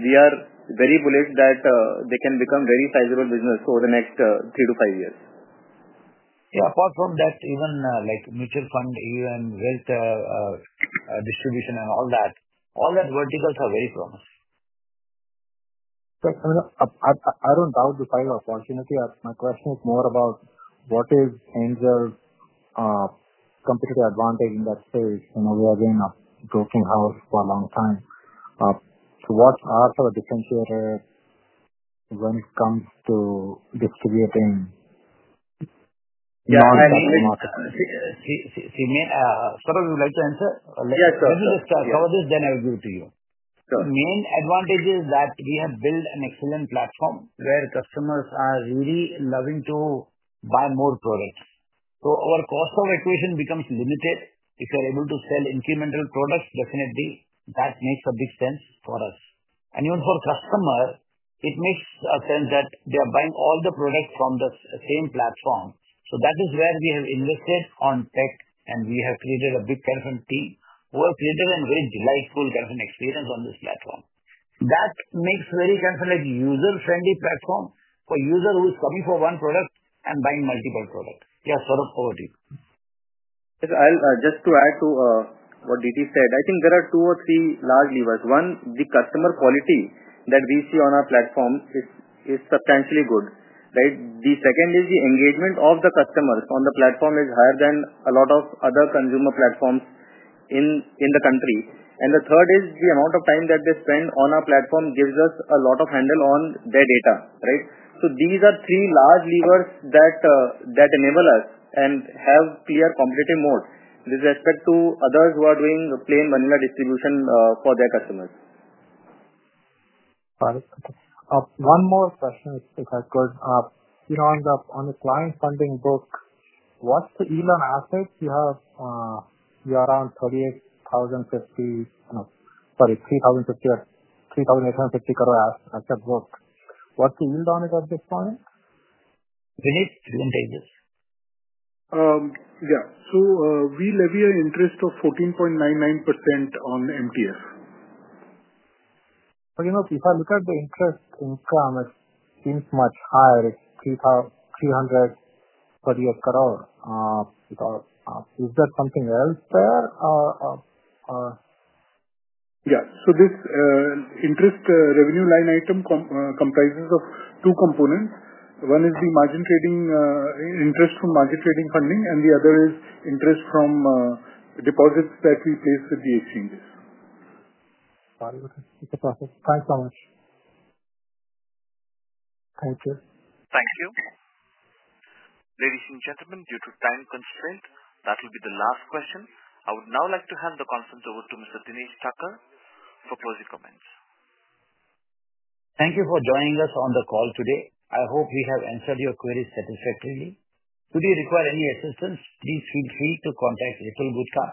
S5: we are very bullish that they can become very sizable business over the next three to five years.
S3: Yeah. Apart from that, even Mutual Fund, AUM, and wealth distribution and all that, all that verticals are very promising.
S27: I don't doubt you find the opportunity. My question is more about what is Angel's competitive advantage in that space? We have been a broking house for a long time. What are some of the differentiators when it comes to distributing non-traditional markets?
S3: Saurabh, would you like to answer? Let me just cover this, then I'll give it to you. The main advantage is that we have built an excellent platform where customers are really loving to buy more products. Our Cost of Acquisition becomes limited. If you're able to sell incremental products, definitely, that makes a big sense for us. Even for customers, it makes sense that they are buying all the products from the same platform. That is where we have invested on tech, and we have created a big kind of a team who have created a very delightful kind of an experience on this platform. That makes a very kind of a user-friendly platform for a user who is coming for one product and buying multiple products. Yeah. Sorry for overtaking.
S5: Just to add to what DT said, I think there are two or three large levers. One, the customer quality that we see on our platform is substantially good, right? The second is the engagement of the customers on the platform is higher than a lot of other consumer platforms in the country. The third is the amount of time that they spend on our platform gives us a lot of handle on their data, right? These are three large levers that enable us and have clear competitive moat with respect to others who are doing plain manila distribution for their customers.
S27: One more question, if I could. On the client funding book, what's the yield on assets? You have around INR 38,050—sorry, INR 3,850 crores asset book. What's the yield on it at this point?
S3: Vineet, you can take this.
S8: Yeah. We levy an interest of 14.99% on MTF.
S27: If I look at the interest income, it seems much higher. It's 348 crores. Is there something else there?
S8: Yeah. This interest revenue line item comprises of two components. One is the margin trading interest from margin trading funding, and the other is interest from deposits that we place with the exchanges.
S27: Thank you so much. Thank you.
S1: Thank you. Ladies and gentlemen, due to time constraint, that will be the last question. I would now like to hand the conference over to Mr. Dinesh Thakkar for closing comments.
S3: Thank you for joining us on the call today. I hope we have answered your queries satisfactorily. Should you require any assistance, please feel free to contact Hitul Gutka,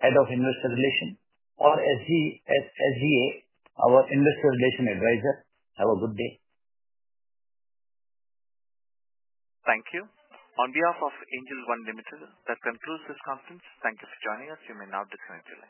S3: Head of Investor Relations, or SGA, our Investor Relations Advisor. Have a good day.
S1: Thank you. On behalf of Angel One Limited, that concludes this conference. Thank you for joining us. You may now disconnect.